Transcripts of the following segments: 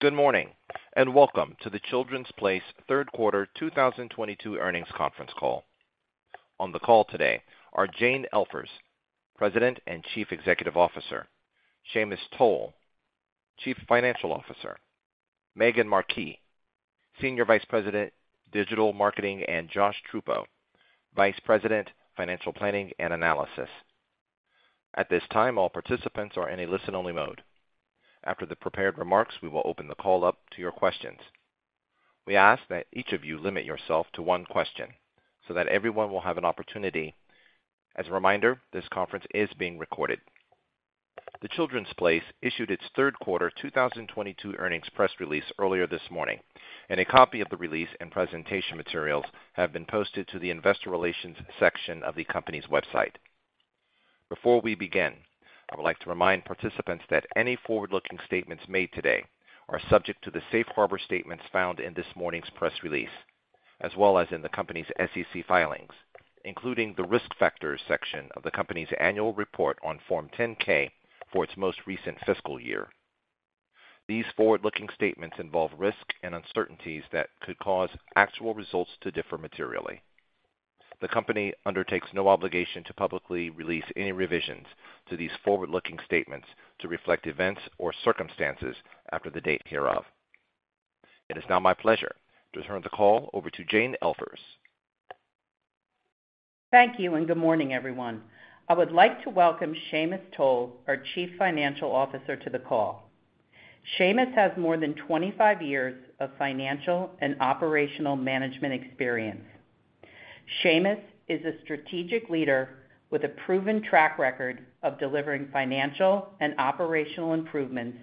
Good morning, and welcome to The Children's Place 3rd quarter 2022 earnings conference call. On the call today are Jane Elfers, President and Chief Executive Officer, Sheamus Toal, Chief Financial Officer, Maegan Markee, Senior Vice President, Digital Marketing, and Josh Truppo, Vice President, Financial Planning and Analysis. At this time, all participants are in a listen-only mode. After the prepared remarks, we will open the call up to your questions. We ask that each of you limit yourself to one question so that everyone will have an opportunity. As a reminder, this conference is being recorded. The Children's Place issued its 3rd quarter 2022 earnings press release earlier this morning, and a copy of the release and presentation materials have been posted to the Investor Relations section of the Company's website. Before we begin, I would like to remind participants that any forward-looking statements made today are subject to the safe harbor statements found in this morning's press release, as well as in the company's SEC filings, including the Risk Factors section of the company's annual report on Form 10-K for its most recent fiscal year. These forward-looking statements involve risks and uncertainties that could cause actual results to differ materially. The company undertakes no obligation to publicly release any revisions to these forward-looking statements to reflect events or circumstances after the date hereof. It is now my pleasure to turn the call over to Jane Elfers. Thank you. Good morning, everyone. I would like to welcome Sheamus Toal, our Chief Financial Officer, to the call. Sheamus has more than 25 years of financial and operational management experience. Sheamus is a strategic leader with a proven track record of delivering financial and operational improvements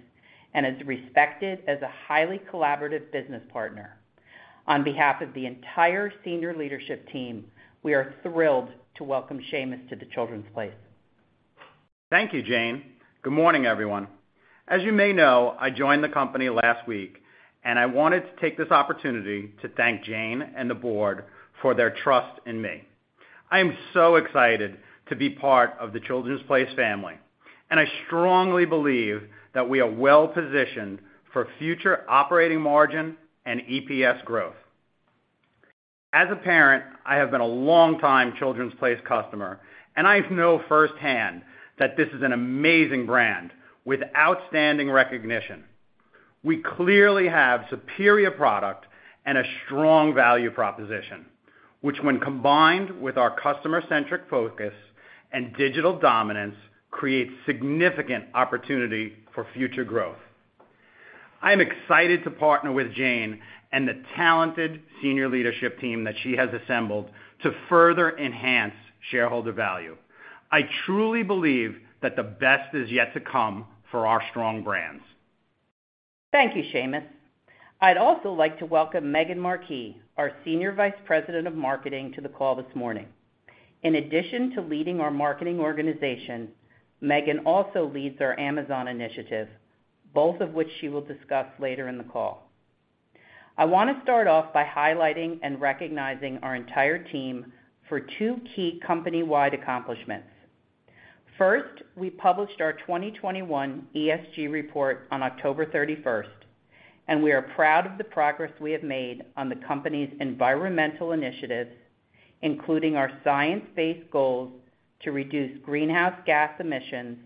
and is respected as a highly collaborative business partner. On behalf of the entire senior leadership team, we are thrilled to welcome Sheamus to The Children's Place. Thank you, Jane. Good morning, everyone. As you may know, I joined the company last week, and I wanted to take this opportunity to thank Jane and the board for their trust in me. I am so excited to be part of the Children's Place family, and I strongly believe that we are well-positioned for future operating margin and EPS growth. As a parent, I have been a long-time Children's Place customer, and I know 1st hand that this is an amazing brand with outstanding recognition. We clearly have superior product and a strong value proposition, which when combined with our customer-centric focus and digital dominance, creates significant opportunity for future growth. I am excited to partner with Jane and the talented senior leadership team that she has assembled to further enhance shareholder value. I truly believe that the best is yet to come for our strong brands. Thank you, Sheamus. I'd also like to welcome Maegan Markee, our Senior Vice President of Marketing, to the call this morning. In addition to leading our marketing organization, Maegan also leads our Amazon initiative, both of which she will discuss later in the call. I want to start off by highlighting and recognizing our entire team for two key company-wide accomplishments. we published our 2021 ESG report on October 31st, and we are proud of the progress we have made on the company's environmental initiatives, including our science-based goals to reduce greenhouse gas emissions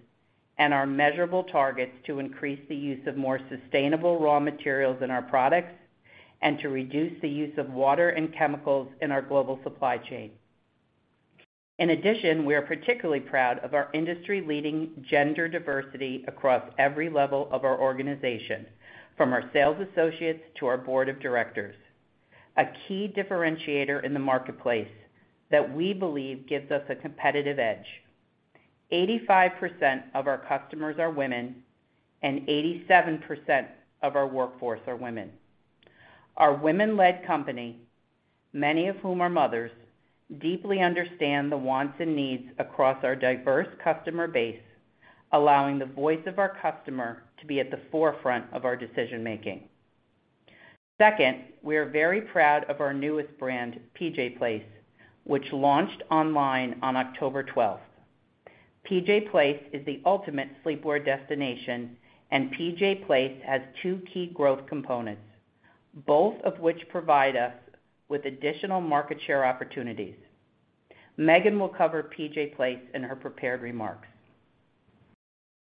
and our measurable targets to increase the use of more sustainable raw materials in our products and to reduce the use of water and chemicals in our global supply chain. In addition, we are particularly proud of our industry-leading gender diversity across every level of our organization, from our sales associates to our board of directors, a key differentiator in the marketplace that we believe gives us a competitive edge. 85% of our customers are women, and 87% of our workforce are women. Our women-led company, many of whom are mothers, deeply understand the wants and needs across our diverse customer base, allowing the voice of our customer to be at the forefront of our decision-making. e are very proud of our newest brand, PJ Place, which launched online on October 12th. PJ Place is the ultimate sleepwear destination, and PJ Place has two key growth components, both of which provide us with additional market share opportunities. Maegan will cover PJ Place in her prepared remarks.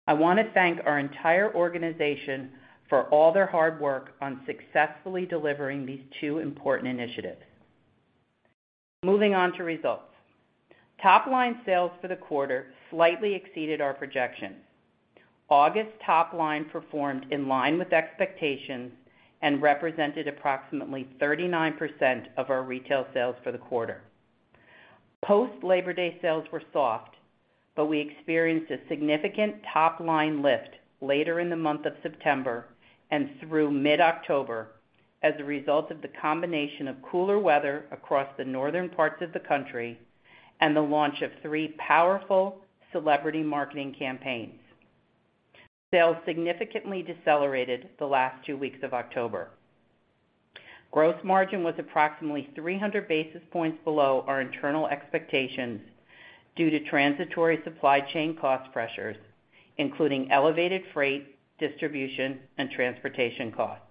I want to thank our entire organization for all their hard work on successfully delivering these two important initiatives. Moving on to results. Top-line sales for the quarter slightly exceeded our projections. August top line performed in line with expectations and represented approximately 39% of our retail sales for the quarter. Post-Labor Day sales were soft, but we experienced a significant top-line lift later in the month of September and through mid-October as a result of the combination of cooler weather across the northern parts of the country and the launch of three powerful celebrity marketing campaigns. Sales significantly decelerated the last two weeks of October. Gross margin was approximately 300 basis points below our internal expectations due to transitory supply chain cost pressures, including elevated freight, distribution, and transportation costs.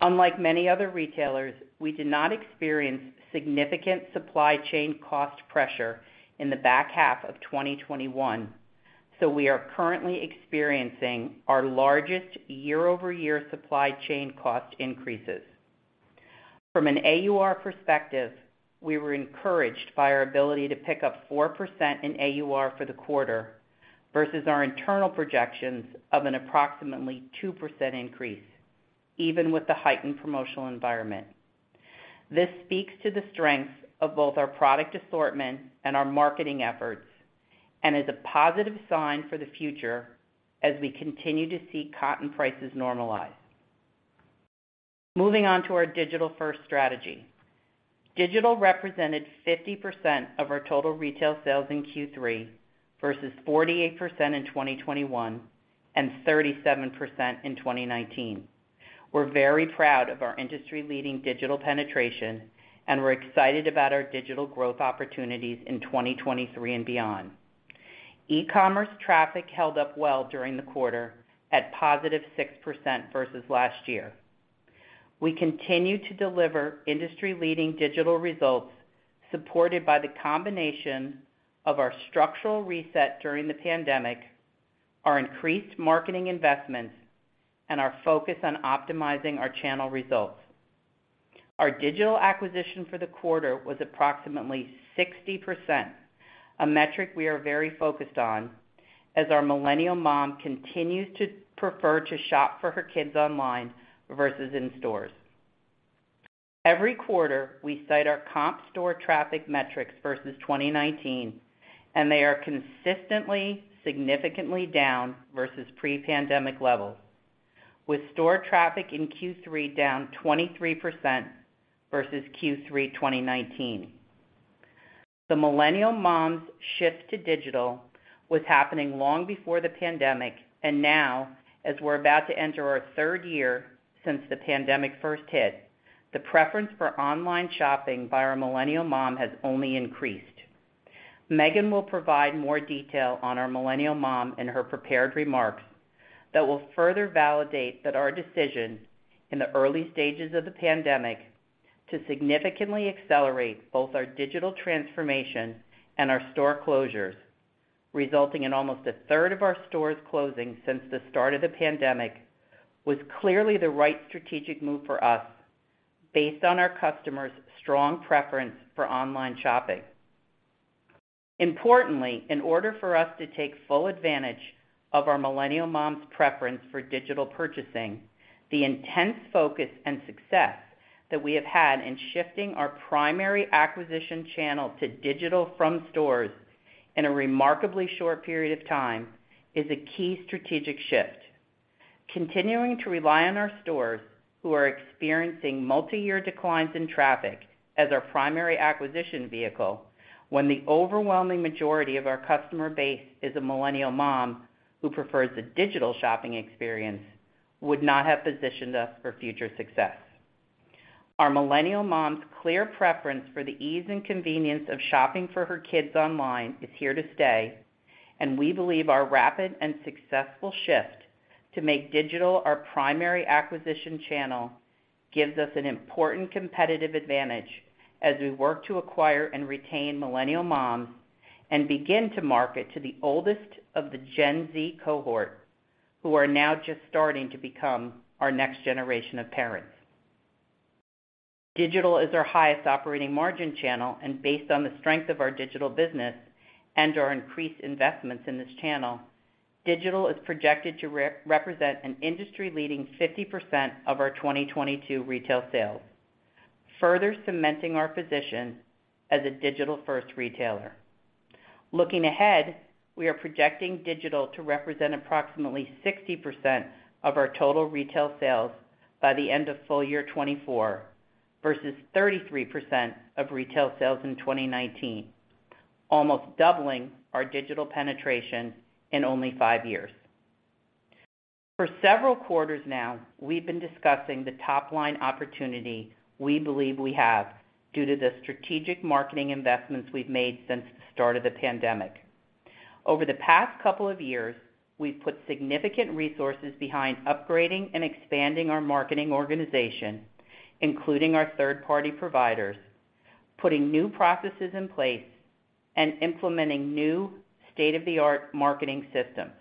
Unlike many other retailers, we did not experience significant supply chain cost pressure in the back half of 2021, so we are currently experiencing our largest year-over-year supply chain cost increases. From an AUR perspective, we were encouraged by our ability to pick up 4% in AUR for the quarter versus our internal projections of an approximately 2% increase, even with the heightened promotional environment. This speaks to the strength of both our product assortment and our marketing efforts and is a positive sign for the future as we continue to see cotton prices normalize. Moving on to our digital-first strategy. Digital represented 50% of our total retail sales in Q3 versus 48% in 2021 and 37% in 2019. We're very proud of our industry-leading digital penetration, and we're excited about our digital growth opportunities in 2023 and beyond. E-commerce traffic held up well during the quarter at +6% versus last year. We continue to deliver industry-leading digital results supported by the combination of our structural reset during the pandemic, our increased marketing investments, and our focus on optimizing our channel results. Our digital acquisition for the quarter was approximately 60%, a metric we are very focused on as our millennial mom continues to prefer to shop for her kids online versus in stores. Every quarter, we cite our comp store traffic metrics versus 2019, and they are consistently, significantly down versus pre-pandemic levels, with store traffic in Q3 down 23% versus Q3 2019. The millennial moms' shift to digital was happening long before the pandemic and now, as we're about to enter our 3rd year since the pandemic 1st hit, the preference for online shopping by our millennial mom has only increased. Maegan will provide more detail on our Millennial mom in her prepared remarks that will further validate that our decision in the early stages of the pandemic to significantly accelerate both our digital transformation and our store closures, resulting in almost 1/3 of our stores closing since the start of the pandemic, was clearly the right strategic move for us based on our customers' strong preference for online shopping. Importantly, in order for us to take full advantage of our Millennial moms' preference for digital purchasing, the intense focus and success that we have had in shifting our primary acquisition channel to digital from stores in a remarkably short period of time is a key strategic shift. Continuing to rely on our stores who are experiencing multiyear declines in traffic as our primary acquisition vehicle when the overwhelming majority of our customer base is a millennial mom who prefers a digital shopping experience would not have positioned us for future success. Our millennial mom's clear preference for the ease and convenience of shopping for her kids online is here to stay, and we believe our rapid and successful shift to make digital our primary acquisition channel gives us an important competitive advantage as we work to acquire and retain millennial moms and begin to market to the oldest of the Gen Z cohort who are now just starting to become our next generation of parents. Digital is our highest operating margin channel and based on the strength of our digital business and our increased investments in this channel, digital is projected to represent an industry-leading 50% of our 2022 retail sales, further cementing our position as a digital-first retailer. Looking ahead, we are projecting digital to represent approximately 60% of our total retail sales by the end of full year 2024 versus 33% of retail sales in 2019, almost doubling our digital penetration in only five years. For several quarters now, we've been discussing the top-line opportunity we believe we have due to the strategic marketing investments we've made since the start of the pandemic. Over the past couple of years, we've put significant resources behind upgrading and expanding our marketing organization, including our 3rd-party providers, putting new processes in place and implementing new state-of-the-art marketing systems.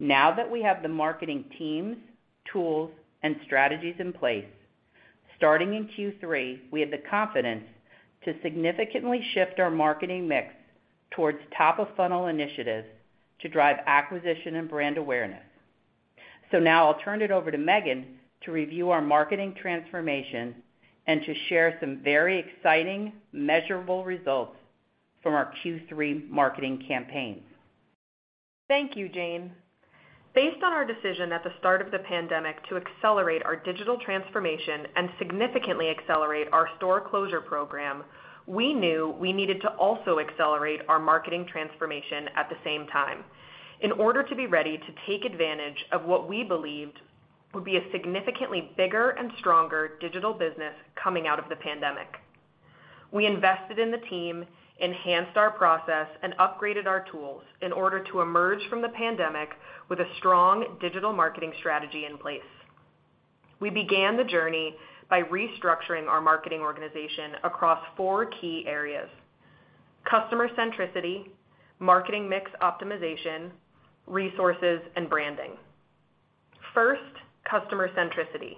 Now that we have the marketing teams, tools, and strategies in place, starting in Q3, we have the confidence to significantly shift our marketing mix towards top-of-funnel initiatives to drive acquisition and brand awareness. Now I'll turn it over to Maegan to review our marketing transformation and to share some very exciting measurable results from our Q3 marketing campaigns. Thank you, Jane. Based on our decision at the start of the pandemic to accelerate our digital transformation and significantly accelerate our store closure program, we knew we needed to also accelerate our marketing transformation at the same time in order to be ready to take advantage of what we believed would be a significantly bigger and stronger digital business coming out of the pandemic. We invested in the team, enhanced our process, and upgraded our tools in order to emerge from the pandemic with a strong digital marketing strategy in place. We began the journey by restructuring our marketing organization across four key areas, customer centricity, marketing mix optimization, resources, and branding. First, customer centricity.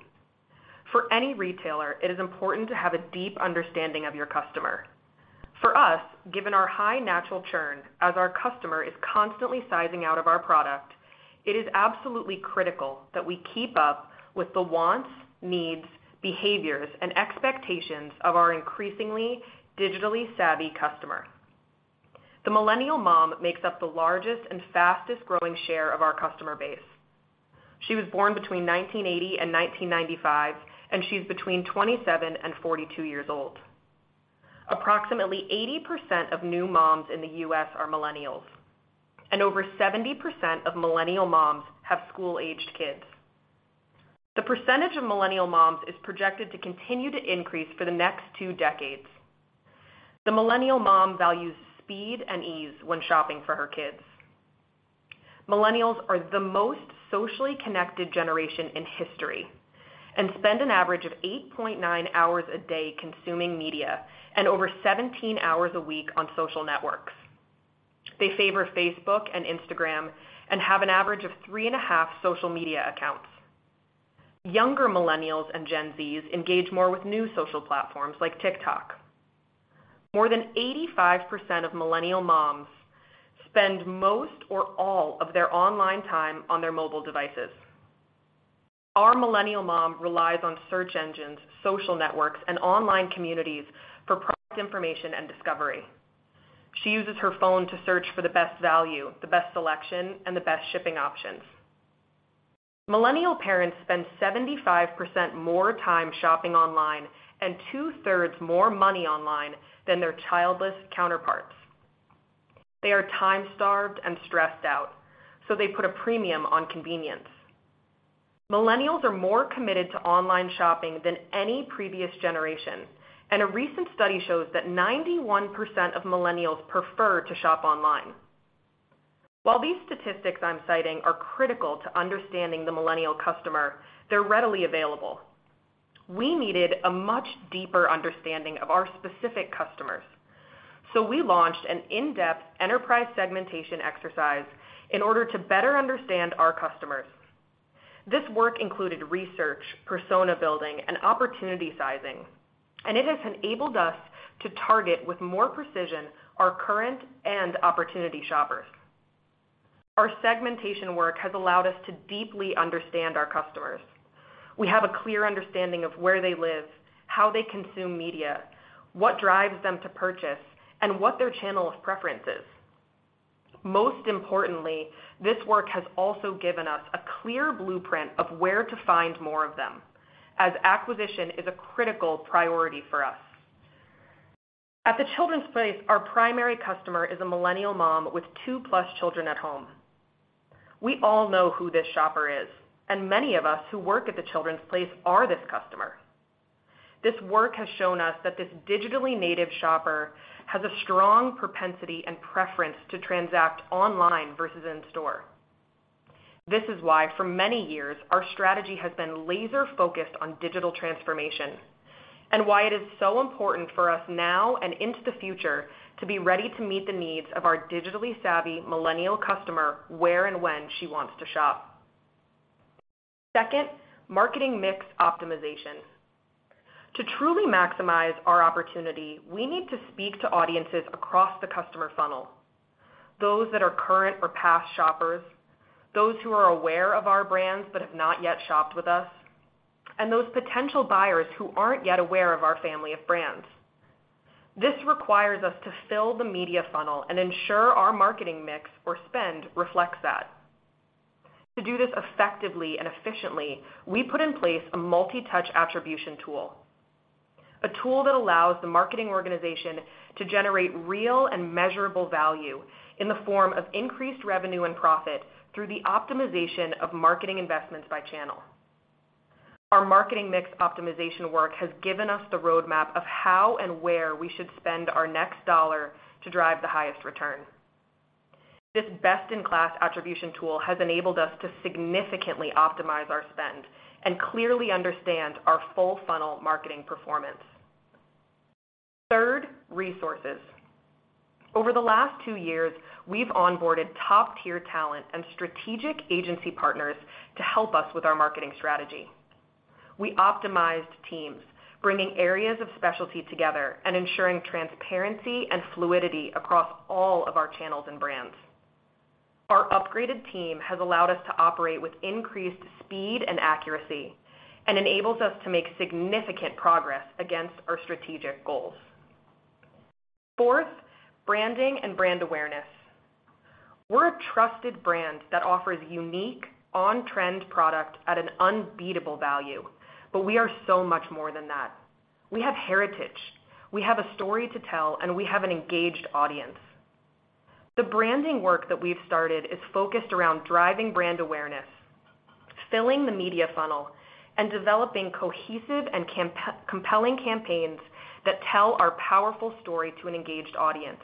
For any retailer, it is important to have a deep understanding of your customer. For us, given our high natural churn as our customer is constantly sizing out of our product, it is absolutely critical that we keep up with the wants, needs, behaviors, and expectations of our increasingly digitally savvy customer. The millennial mom makes up the largest and fastest-growing share of our customer base. She was born between 1980 and 1995, and she's between 27 and 42 years old. Approximately 80% of new moms in the U.S. are millennials, and over 70% of millennial moms have school-aged kids. The % of millennial moms is projected to continue to increase for the next two decades. The millennial mom values speed and ease when shopping for her kids. Millennials are the most socially connected generation in history and spend an average of 8.9 hours a day consuming media and over 17 hours a week on social networks. They favor Facebook and Instagram and have an average of three and a half social media accounts. Younger Millennials and Gen Zs engage more with new social platforms like TikTok. More than 85% of Millennial moms spend most or all of their online time on their mobile devices. Our Millennial mom relies on search engines, social networks, and online communities for product information and discovery. She uses her phone to search for the best value, the best selection, and the best shipping options. Millennial parents spend 75% more time shopping online and 2/3 more money online than their childless counterparts. They are time-starved and stressed out, so they put a premium on convenience. Millennials are more committed to online shopping than any previous generation, and a recent study shows that 91% of Millennials prefer to shop online. While these statistics I'm citing are critical to understanding the millennial customer, they're readily available. We needed a much deeper understanding of our specific customers, so we launched an in-depth enterprise segmentation exercise in order to better understand our customers. This work included research, persona building, and opportunity sizing, and it has enabled us to target with more precision our current and opportunity shoppers. Our segmentation work has allowed us to deeply understand our customers. We have a clear understanding of where they live, how they consume media, what drives them to purchase, and what their channel of preference is. Most importantly, this work has also given us a clear blueprint of where to find more of them as acquisition is a critical priority for us. At The Children's Place, our primary customer is a millennial mom with 2+ children at home. We all know who this shopper is, and many of us who work at The Children's Place are this customer. This work has shown us that this digitally native shopper has a strong propensity and preference to transact online versus in-store. This is why for many years, our strategy has been laser-focused on digital transformation and why it is so important for us now and into the future to be ready to meet the needs of our digitally savvy millennial customer where and when she wants to shop. Second, marketing mix optimization. To truly maximize our opportunity, we need to speak to audiences across the customer funnel. Those that are current or past shoppers, those who are aware of our brands but have not yet shopped with us, and those potential buyers who aren't yet aware of our family of brands. This requires us to fill the media funnel and ensure our marketing mix or spend reflects that. To do this effectively and efficiently, we put in place a multi-touch attribution tool, a tool that allows the marketing organization to generate real and measurable value in the form of increased revenue and profit through the optimization of marketing investments by channel. Our marketing mix optimization work has given us the roadmap of how and where we should spend our next dollar to drive the highest return. This best-in-class attribution tool has enabled us to significantly optimize our spend and clearly understand our full funnel marketing performance. 3rd, resources. Over the last two years, we've onboarded top-tier talent and strategic agency partners to help us with our marketing strategy. We optimized teams, bringing areas of specialty together and ensuring transparency and fluidity across all of our channels and brands. Our upgraded team has allowed us to operate with increased speed and accuracy and enables us to make significant progress against our strategic goals. 4th, branding and brand awareness. We're a trusted brand that offers unique, on-trend product at an unbeatable value, but we are so much more than that. We have heritage, we have a story to tell, and we have an engaged audience. The branding work that we've started is focused around driving brand awareness, filling the media funnel, and developing cohesive and compelling campaigns that tell our powerful story to an engaged audience.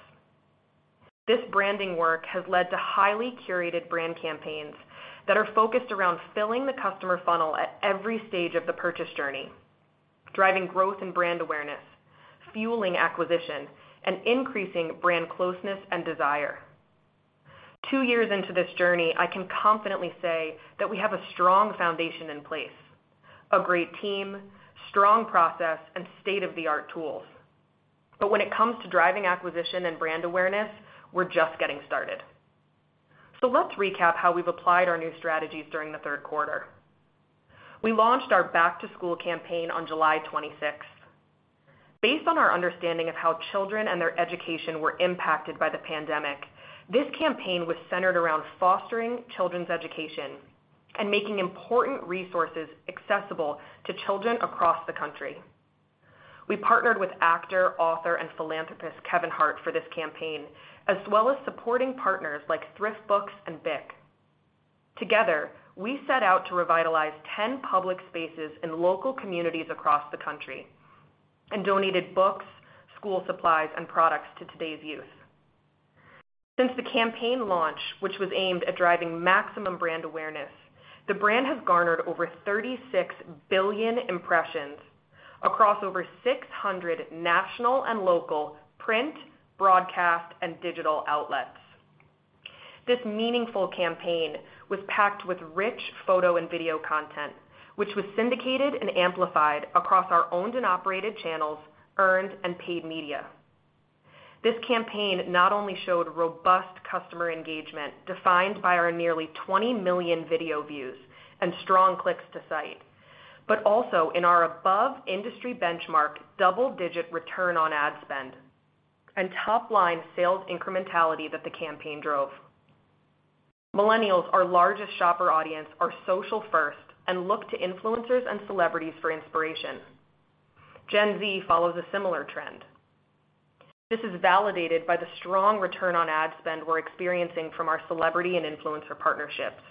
This branding work has led to highly curated brand campaigns that are focused around filling the customer funnel at every stage of the purchase journey, driving growth and brand awareness, fueling acquisition, and increasing brand closeness and desire. Two years into this journey, I can confidently say that we have a strong foundation in place, a great team, strong process, and state-of-the-art tools. But when it comes to driving acquisition and brand awareness, we're just getting started. So let's recap how we've applied our new strategies during the 3rd quarter. We launched our back-to-school campaign on July twenty-sixth. Based on our understanding of how children and their education were impacted by the pandemic, this campaign was centered around fostering children's education and making important resources accessible to children across the country. We partnered with actor, author, and philanthropist Kevin Hart for this campaign, as well as supporting partners like ThriftBooks and BIC. Together, we set out to revitalize ten public spaces in local communities across the country and donated books, school supplies, and products to today's youth. Since the campaign launch, which was aimed at driving maximum brand awareness, the brand has garnered over 36 billion impressions across over 600 national and local print, broadcast, and digital outlets. This meaningful campaign was packed with rich photo and video content, which was syndicated and amplified across our owned-and-operated channels, earned and paid media. This campaign not only showed robust customer engagement defined by our nearly 20 million video views and strong clicks to site, but also in our above-industry-benchmark double-digit return on ad spend and top-line sales incrementality that the campaign drove. Millennials, our largest shopper audience, are social-1st and look to influencers and celebrities for inspiration. Gen Z follows a similar trend. This is validated by the strong return on ad spend we're experiencing from our celebrity and influencer partnerships.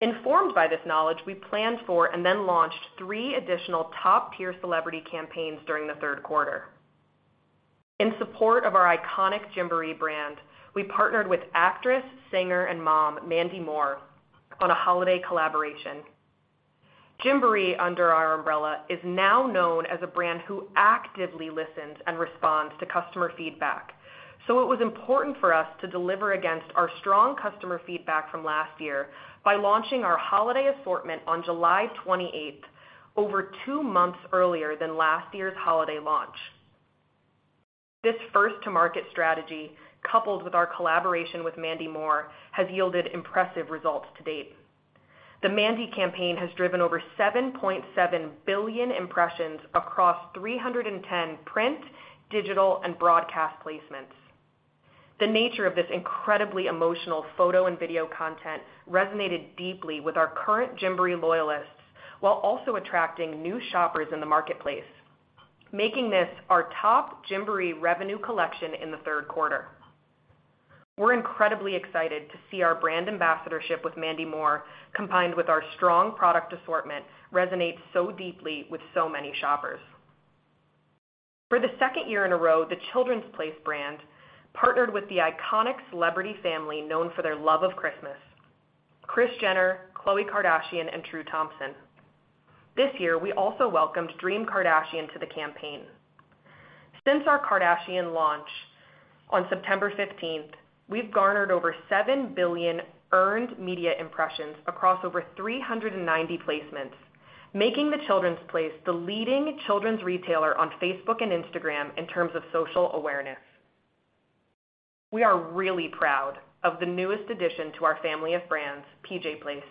Informed by this knowledge, we planned for and then launched three additional top-tier celebrity campaigns during the 3rd quarter. In support of our iconic Gymboree brand, we partnered with actress, singer, and mom Mandy Moore on a holiday collaboration. Gymboree, under our umbrella, is now known as a brand who actively listens and responds to customer feedback. It was important for us to deliver against our strong customer feedback from last year by launching our holiday assortment on July 28th, over two months earlier than last year's holiday launch. This 1st-to-market strategy, coupled with our collaboration with Mandy Moore, has yielded impressive results to date. The Mandy campaign has driven over 7.7 billion impressions across 310 print, digital, and broadcast placements. The nature of this incredibly emotional photo and video content resonated deeply with our current Gymboree loyalists, while also attracting new shoppers in the marketplace, making this our top Gymboree revenue collection in the 3rd quarter. We're incredibly excited to see our brand ambassadorship with Mandy Moore, combined with our strong product assortment, resonate so deeply with so many shoppers. For the 2nd year in a row, The Children's Place brand partnered with the iconic celebrity family known for their love of Christmas, Kris Jenner, Khloe Kardashian, and True Thompson. This year, we also welcomed Dream Kardashian to the campaign. Since our Kardashian launch on September 15th, we've garnered over 7 billion earned media impressions across over 390 placements, making The Children's Place the leading children's retailer on Facebook and Instagram in terms of social awareness. We are really proud of the newest addition to our family of brands, PJ Place.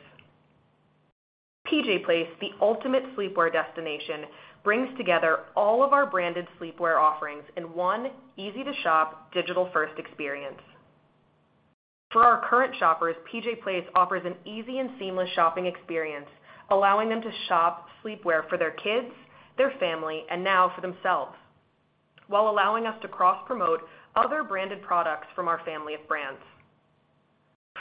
PJ Place, the ultimate sleepwear destination, brings together all of our branded sleepwear offerings in one easy-to-shop, digital-first experience. For our current shoppers, PJ Place offers an easy and seamless shopping experience, allowing them to shop sleepwear for their kids, their family, and now for themselves, while allowing us to cross-promote other branded products from our family of brands.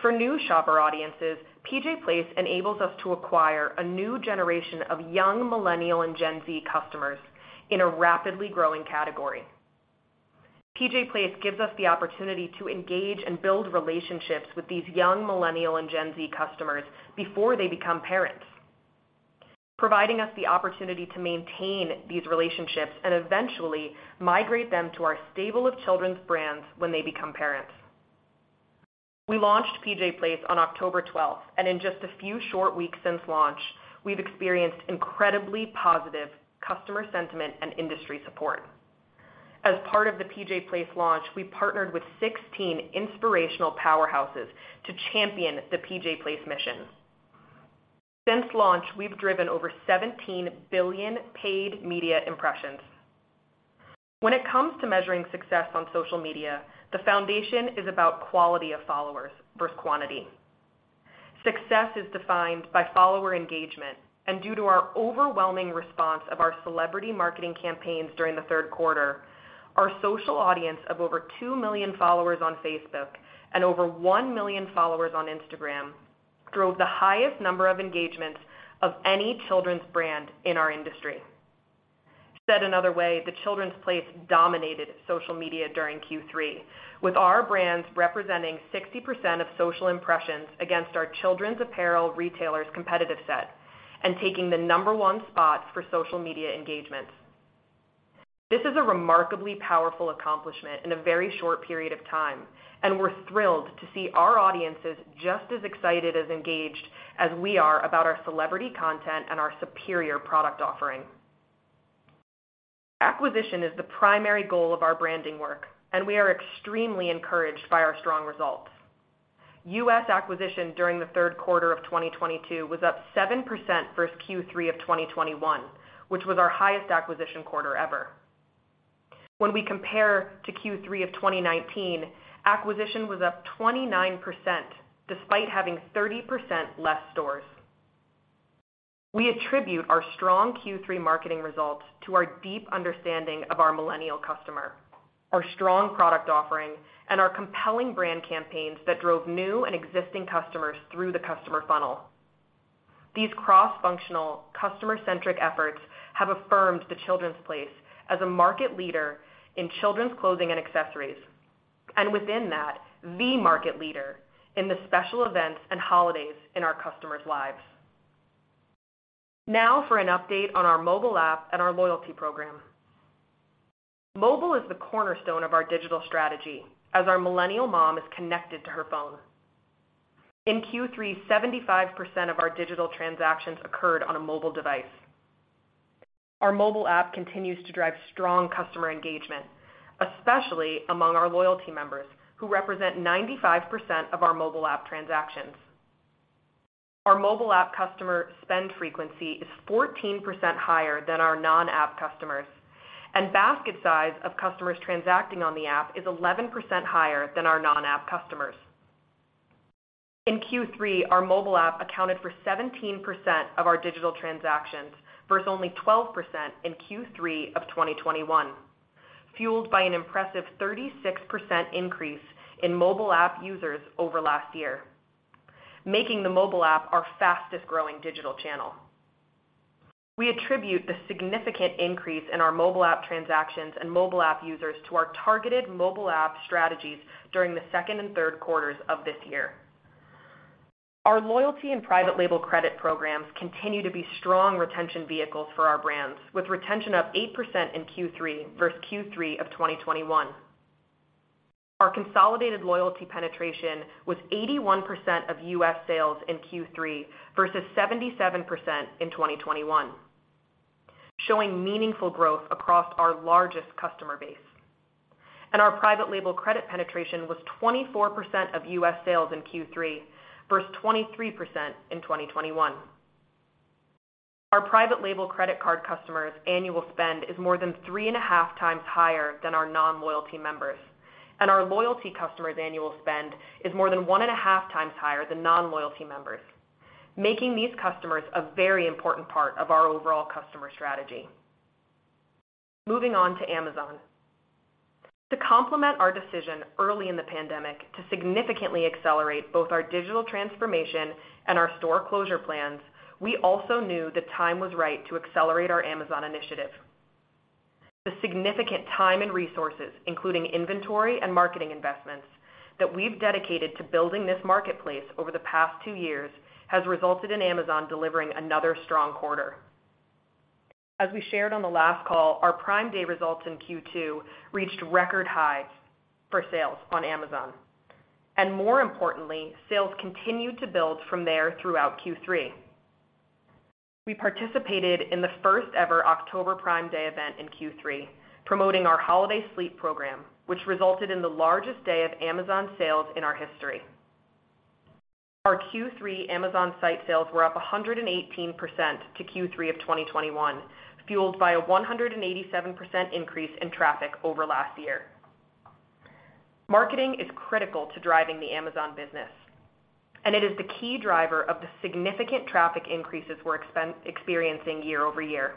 For new shopper audiences, PJ Place enables us to acquire a new generation of young millennial and Gen Z customers in a rapidly growing category. PJ Place gives us the opportunity to engage and build relationships with these young millennial and Gen Z customers before they become parents, providing us the opportunity to maintain these relationships and eventually migrate them to our stable of children's brands when they become parents. We launched PJ Place on October 12th, and in just a few short weeks since launch, we've experienced incredibly positive customer sentiment and industry support. As part of the PJ Place launch, we partnered with 16 inspirational powerhouses to champion the PJ Place mission. Since launch, we've driven over 17 billion paid media impressions. When it comes to measuring success on social media, the foundation is about quality of followers versus quantity. Success is defined by follower engagement. Due to our overwhelming response of our celebrity marketing campaigns during the 3rd quarter, our social audience of over two million followers on Facebook and over one million followers on Instagram drove the highest number of engagements of any children's brand in our industry. Said another way, The Children's Place dominated social media during Q3, with our brands representing 60% of social impressions against our children's apparel retailers competitive set and taking the number one spot for social media engagements. This is a remarkably powerful accomplishment in a very short period of time, and we're thrilled to see our audiences just as excited as engaged as we are about our celebrity content and our superior product offering. Acquisition is the primary goal of our branding work, and we are extremely encouraged by our strong results. U.S. acquisition during the 3rd quarter of 2022 was up 7% versus Q3 of 2021, which was our highest acquisition quarter ever. When we compare to Q3 of 2019, acquisition was up 29% despite having 30% less stores. We attribute our strong Q3 marketing results to our deep understanding of our millennial customer, our strong product offering, and our compelling brand campaigns that drove new and existing customers through the customer funnel. These cross-functional, customer-centric efforts have affirmed The Children's Place as a market leader in children's clothing and accessories, and within that, the market leader in the special events and holidays in our customers' lives. Now for an update on our mobile app and our loyalty program. Mobile is the cornerstone of our digital strategy as our millennial mom is connected to her phone. In Q3, 75% of our digital transactions occurred on a mobile device. Our mobile app continues to drive strong customer engagement, especially among our loyalty members, who represent 95% of our mobile app transactions. Our mobile app customer spend frequency is 14% higher than our non-app customers, and basket size of customers transacting on the app is 11% higher than our non-app customers. In Q3, our mobile app accounted for 17% of our digital transactions versus only 12% in Q3 of 2021, fueled by an impressive 36% increase in mobile app users over last year, making the mobile app our fastest-growing digital channel. We attribute the significant increase in our mobile app transactions and mobile app users to our targeted mobile app strategies during the 2nd and 3rd quarters of this year. Our loyalty and private label credit programs continue to be strong retention vehicles for our brands, with retention up 8% in Q3 versus Q3 of 2021. Our consolidated loyalty penetration was 81% of U.S. sales in Q3 versus 77% in 2021, showing meaningful growth across our largest customer base. Our private label credit penetration was 24% of U.S. sales in Q3 versus 23% in 2021. Our private label credit card customers' annual spend is more than three and a half times higher than our non-loyalty members, and our loyalty customers' annual spend is more than one and a half times higher than non-loyalty members, making these customers a very important part of our overall customer strategy. Moving on to Amazon. To complement our decision early in the pandemic to significantly accelerate both our digital transformation and our store closure plans, we also knew the time was right to accelerate our Amazon initiative. The significant time and resources, including inventory and marketing investments that we've dedicated to building this marketplace over the past two years, has resulted in Amazon delivering another strong quarter. As we shared on the last call, our Prime Day results in Q2 reached record highs for sales on Amazon. More importantly, sales continued to build from there throughout Q3. We participated in the 1st ever October Prime Day event in Q3, promoting our holiday sleep program, which resulted in the largest day of Amazon sales in our history. Our Q3 Amazon site sales were up a 118% to Q3 of 2021, fueled by a 187% increase in traffic over last year. Marketing is critical to driving the Amazon business, and it is the key driver of the significant traffic increases we're experiencing year-over-year.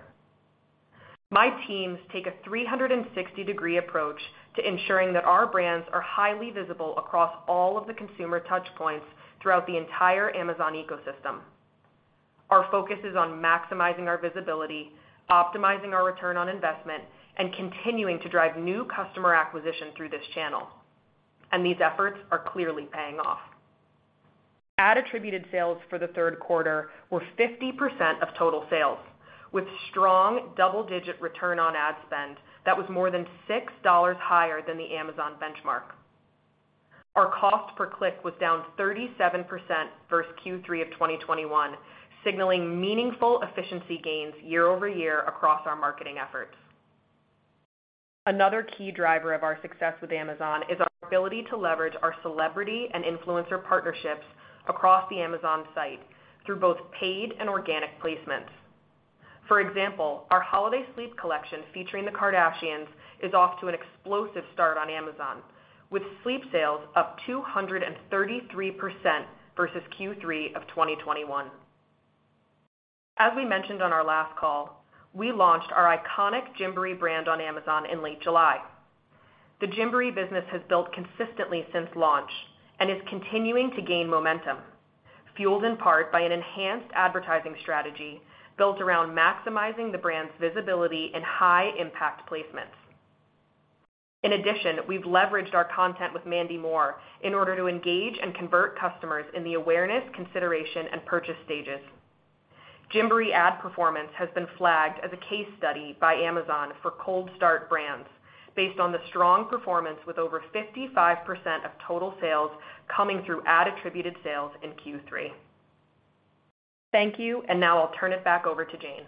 My teams take a 360-degree approach to ensuring that our brands are highly visible across all of the consumer touch points throughout the entire Amazon ecosystem. Our focus is on maximizing our visibility, optimizing our return on investment, and continuing to drive new customer acquisition through this channel, and these efforts are clearly paying off. Ad-attributed sales for the 3rd quarter were 50% of total sales, with strong double-digit return on ad spend that was more than $6 higher than the Amazon benchmark. Our cost per click was down 37% versus Q3 of 2021, signaling meaningful efficiency gains year-over-year across our marketing efforts. Another key driver of our success with Amazon is our ability to leverage our celebrity and influencer partnerships across the Amazon site through both paid and organic placements. For example, our holiday sleep collection featuring the Kardashians is off to an explosive start on Amazon, with sleep sales up 233% versus Q3 of 2021. As we mentioned on our last call, we launched our iconic Gymboree brand on Amazon in late July. The Gymboree business has built consistently since launch and is continuing to gain momentum, fueled in part by an enhanced advertising strategy built around maximizing the brand's visibility in high impact placements. In addition, we've leveraged our content with Mandy Moore in order to engage and convert customers in the awareness, consideration, and purchase stages. Gymboree ad performance has been flagged as a case study by Amazon for cold start brands based on the strong performance with over 55% of total sales coming through ad attributed sales in Q3. Thank you. Now I'll turn it back over to Jane.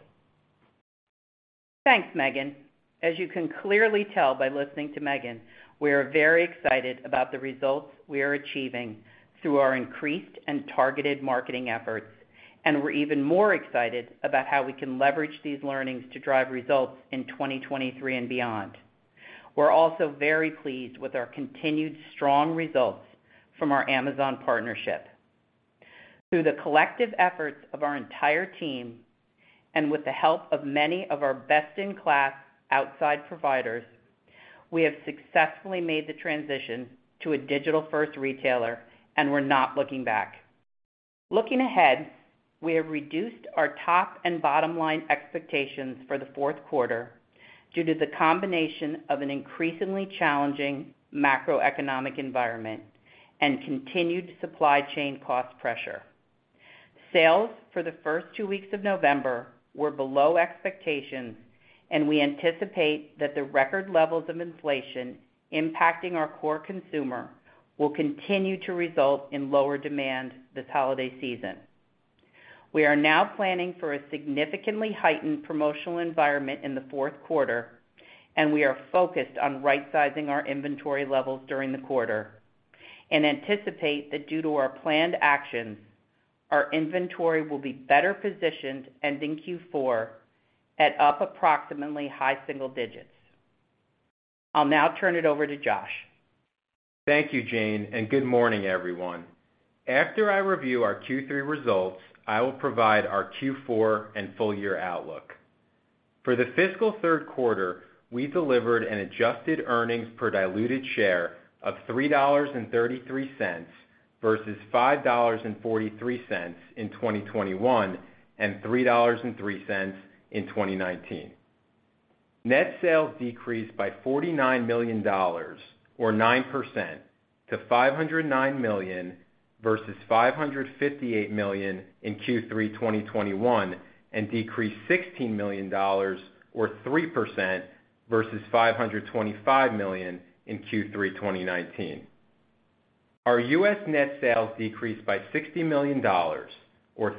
Thanks, Maegan. As you can clearly tell by listening to Maegan, we are very excited about the results we are achieving through our increased and targeted marketing efforts, and we're even more excited about how we can leverage these learnings to drive results in 2023 and beyond. We're also very pleased with our continued strong results from our Amazon partnership. Through the collective efforts of our entire team, and with the help of many of our best in class outside providers, we have successfully made the transition to a digital 1st retailer, and we're not looking back. Looking ahead, we have reduced our top and bottom line expectations for the 4th quarter due to the combination of an increasingly challenging macroeconomic environment and continued supply chain cost pressure. Sales for the 1st two weeks of November were below expectations, and we anticipate that the record levels of inflation impacting our core consumer will continue to result in lower demand this holiday season. We are now planning for a significantly heightened promotional environment in the 4th quarter, and we are focused on rightsizing our inventory levels during the quarter and anticipate that due to our planned actions, our inventory will be better positioned ending Q4 at up approximately high single digits. I'll now turn it over to Josh. Thank you, Jane, and good morning, everyone. After I review our Q3 results, I will provide our Q4 and full year outlook. For the fiscal 3rd quarter, we delivered an adjusted earnings per diluted share of $3.33 versus $5.43 in 2021, and $3.03 in 2019. Net sales decreased by $49 million or 9% to $509 million versus $558 million in Q3 2021, and decreased $16 million or 3% versus $525 million in Q3 2019. Our U.S. net sales decreased by $60 million or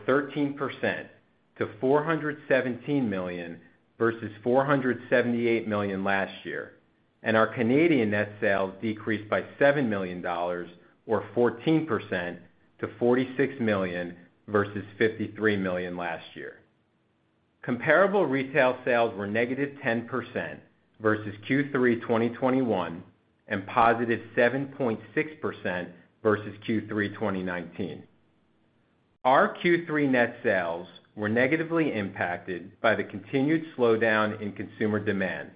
13% to $417 million versus $478 million last year, and our Canadian net sales decreased by 7 million dollars or 14% to 46 million versus 53 million last year. Comparable retail sales were -10% versus Q3 2021, and +7.6% versus Q3 2019. Our Q3 net sales were negatively impacted by the continued slowdown in consumer demand,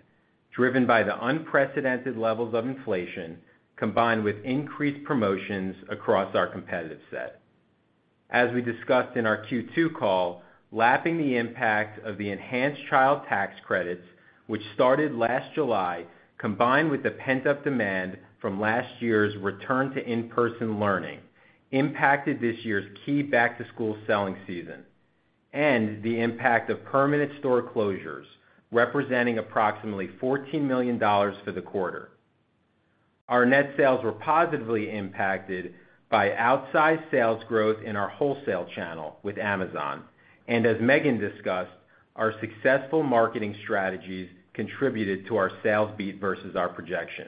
driven by the unprecedented levels of inflation, combined with increased promotions across our competitive set. As we discussed in our Q2 call, lapping the impact of the enhanced child tax credits, which started last July, combined with the pent-up demand from last year's return to in-person learning, impacted this year's key back-to-school selling season and the impact of permanent store closures, representing approximately $14 million for the quarter. Our net sales were positively impacted by outsized sales growth in our wholesale channel with Amazon. As Maegan discussed, our successful marketing strategies contributed to our sales beat versus our projection.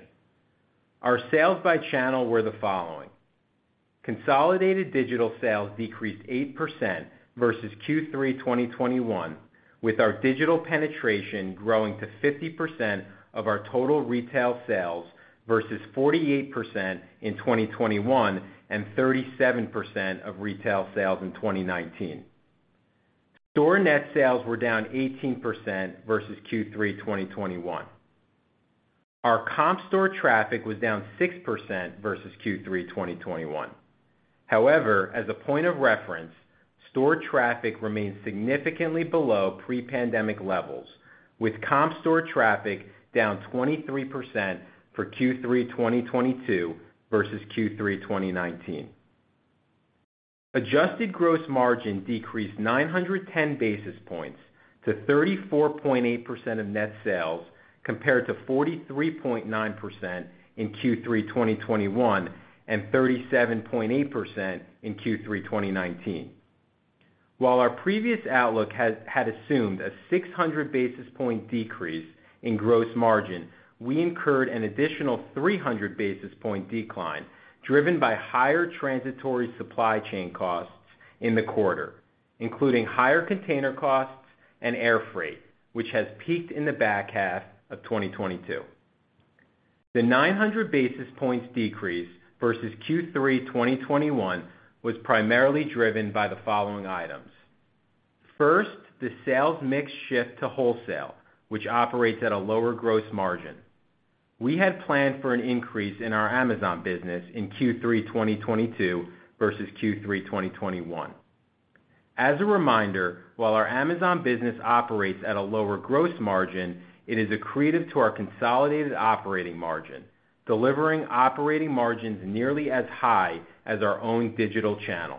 Our sales by channel were the following. Consolidated digital sales decreased 8% versus Q3 2021, with our digital penetration growing to 50% of our total retail sales versus 48% in 2021, and 37% of retail sales in 2019. Store net sales were down 18% versus Q3 2021. Our comp store traffic was down 6% versus Q3 2021. However, as a point of reference, store traffic remains significantly below pre-pandemic levels, with comp store traffic down 23% for Q3 2022 versus Q3 2019. Adjusted gross margin decreased 910 basis points to 34.8% of net sales, compared to 43.9% in Q3 2021, and 37.8% in Q3 2019. While our previous outlook had assumed a 600 basis point decrease in gross margin, we incurred an additional 300 basis point decline driven by higher transitory supply chain costs in the quarter, including higher container costs and air freight, which has peaked in the back half of 2022. The 900 basis points decrease versus Q3 2021 was primarily driven by the following items. First, the sales mix shift to wholesale, which operates at a lower gross margin. We had planned for an increase in our Amazon business in Q3 2022 versus Q3 2021. As a reminder, while our Amazon business operates at a lower gross margin, it is accretive to our consolidated operating margin, delivering operating margins nearly as high as our own digital channel.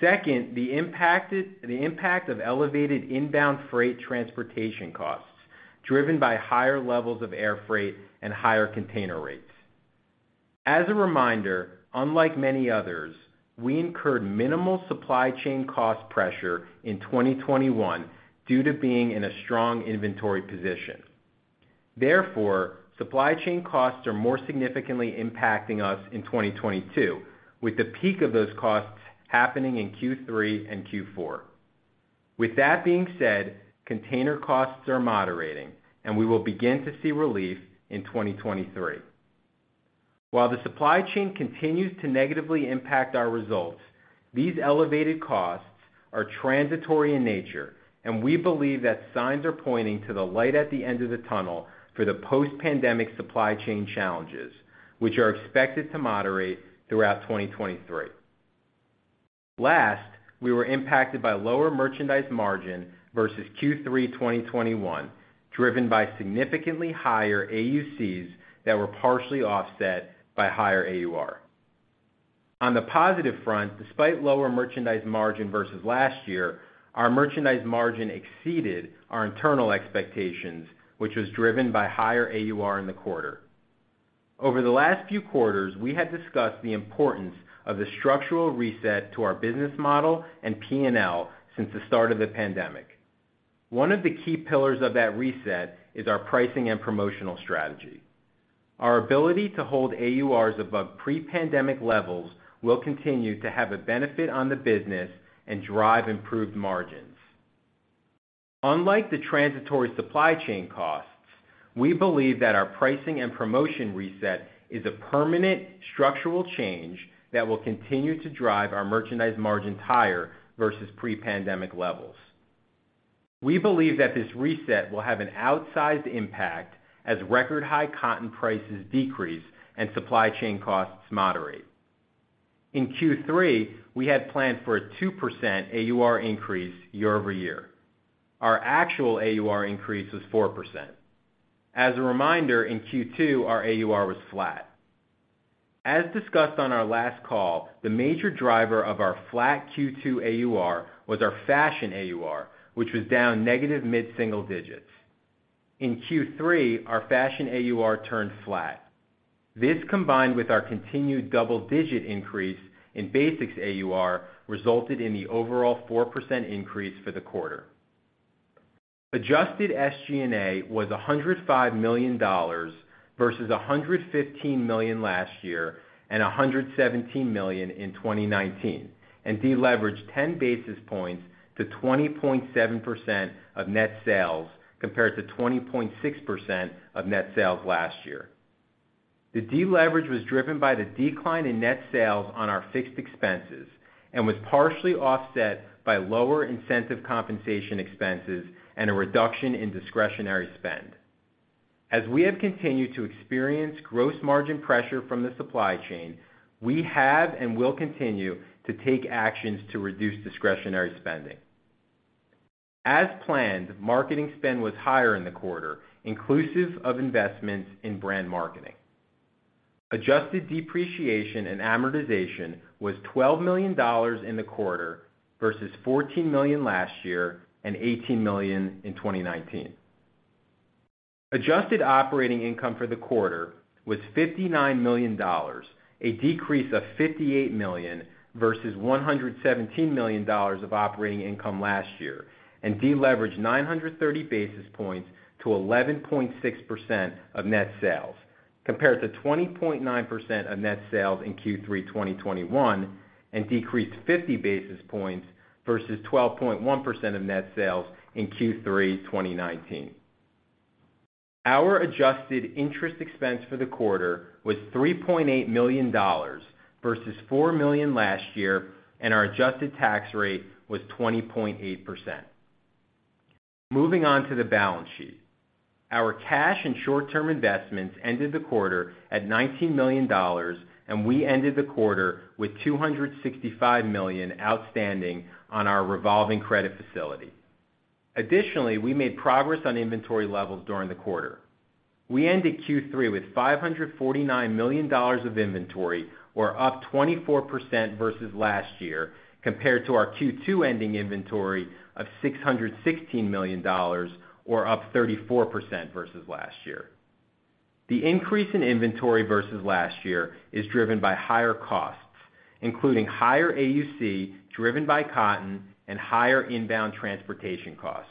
the impact of elevated inbound freight transportation costs, driven by higher levels of air freight and higher container rates. As a reminder, unlike many others, we incurred minimal supply chain cost pressure in 2021 due to being in a strong inventory position. Therefore, supply chain costs are more significantly impacting us in 2022, with the peak of those costs happening in Q3 and Q4. With that being said, container costs are moderating, and we will begin to see relief in 2023. While the supply chain continues to negatively impact our results, these elevated costs are transitory in nature, and we believe that signs are pointing to the light at the end of the tunnel for the post-pandemic supply chain challenges, which are expected to moderate throughout 2023. Last, we were impacted by lower merchandise margin versus Q3 2021, driven by significantly higher AUCs that were partially offset by higher AUR. On the positive front, despite lower merchandise margin versus last year, our merchandise margin exceeded our internal expectations, which was driven by higher AUR in the quarter. Over the last few quarters, we had discussed the importance of the structural reset to our business model and P&L since the start of the pandemic. One of the key pillars of that reset is our pricing and promotional strategy. Our ability to hold AURs above pre-pandemic levels will continue to have a benefit on the business and drive improved margins. Unlike the transitory supply chain costs, we believe that our pricing and promotion reset is a permanent structural change that will continue to drive our merchandise margins higher versus pre-pandemic levels. We believe that this reset will have an outsized impact as record high cotton prices decrease and supply chain costs moderate. In Q3, we had planned for a 2% AUR increase year-over-year. Our actual AUR increase was 4%. As a reminder, in Q2, our AUR was flat. As discussed on our last call, the major driver of our flat Q2 AUR was our fashion AUR, which was down negative mid-single digits. In Q3, our fashion AUR turned flat. This, combined with our continued double-digit increase in basics AUR, resulted in the overall 4% increase for the quarter. Adjusted SG&A was $105 million versus $115 million last year and $117 million in 2019, and deleveraged 10 basis points to 20.7% of net sales, compared to 20.6% of net sales last year. The deleverage was driven by the decline in net sales on our fixed expenses and was partially offset by lower incentive compensation expenses and a reduction in discretionary spend. As we have continued to experience gross margin pressure from the supply chain, we have and will continue to take actions to reduce discretionary spending. As planned, marketing spend was higher in the quarter, inclusive of investments in brand marketing. Adjusted depreciation and amortization was $12 million in the quarter versus $14 million last year and $18 million in 2019. Adjusted operating income for the quarter was $59 million, a decrease of $58 million versus $117 million of operating income last year, and deleveraged 930 basis points to 11.6% of net sales, compared to 20.9% of net sales in Q3 2021, and decreased 50 basis points versus 12.1% of net sales in Q3 2019. Our adjusted interest expense for the quarter was $3.8 million versus $4 million last year, and our adjusted tax rate was 20.8%. Moving on to the balance sheet. Our cash and short-term investments ended the quarter at $19 million, and we ended the quarter with $265 million outstanding on our revolving credit facility. Additionally, we made progress on inventory levels during the quarter. We ended Q3 with $549 million of inventory, or up 24% versus last year, compared to our Q2 ending inventory of $616 million, or up 34% versus last year. The increase in inventory versus last year is driven by higher costs, including higher AUC, driven by cotton and higher inbound transportation costs.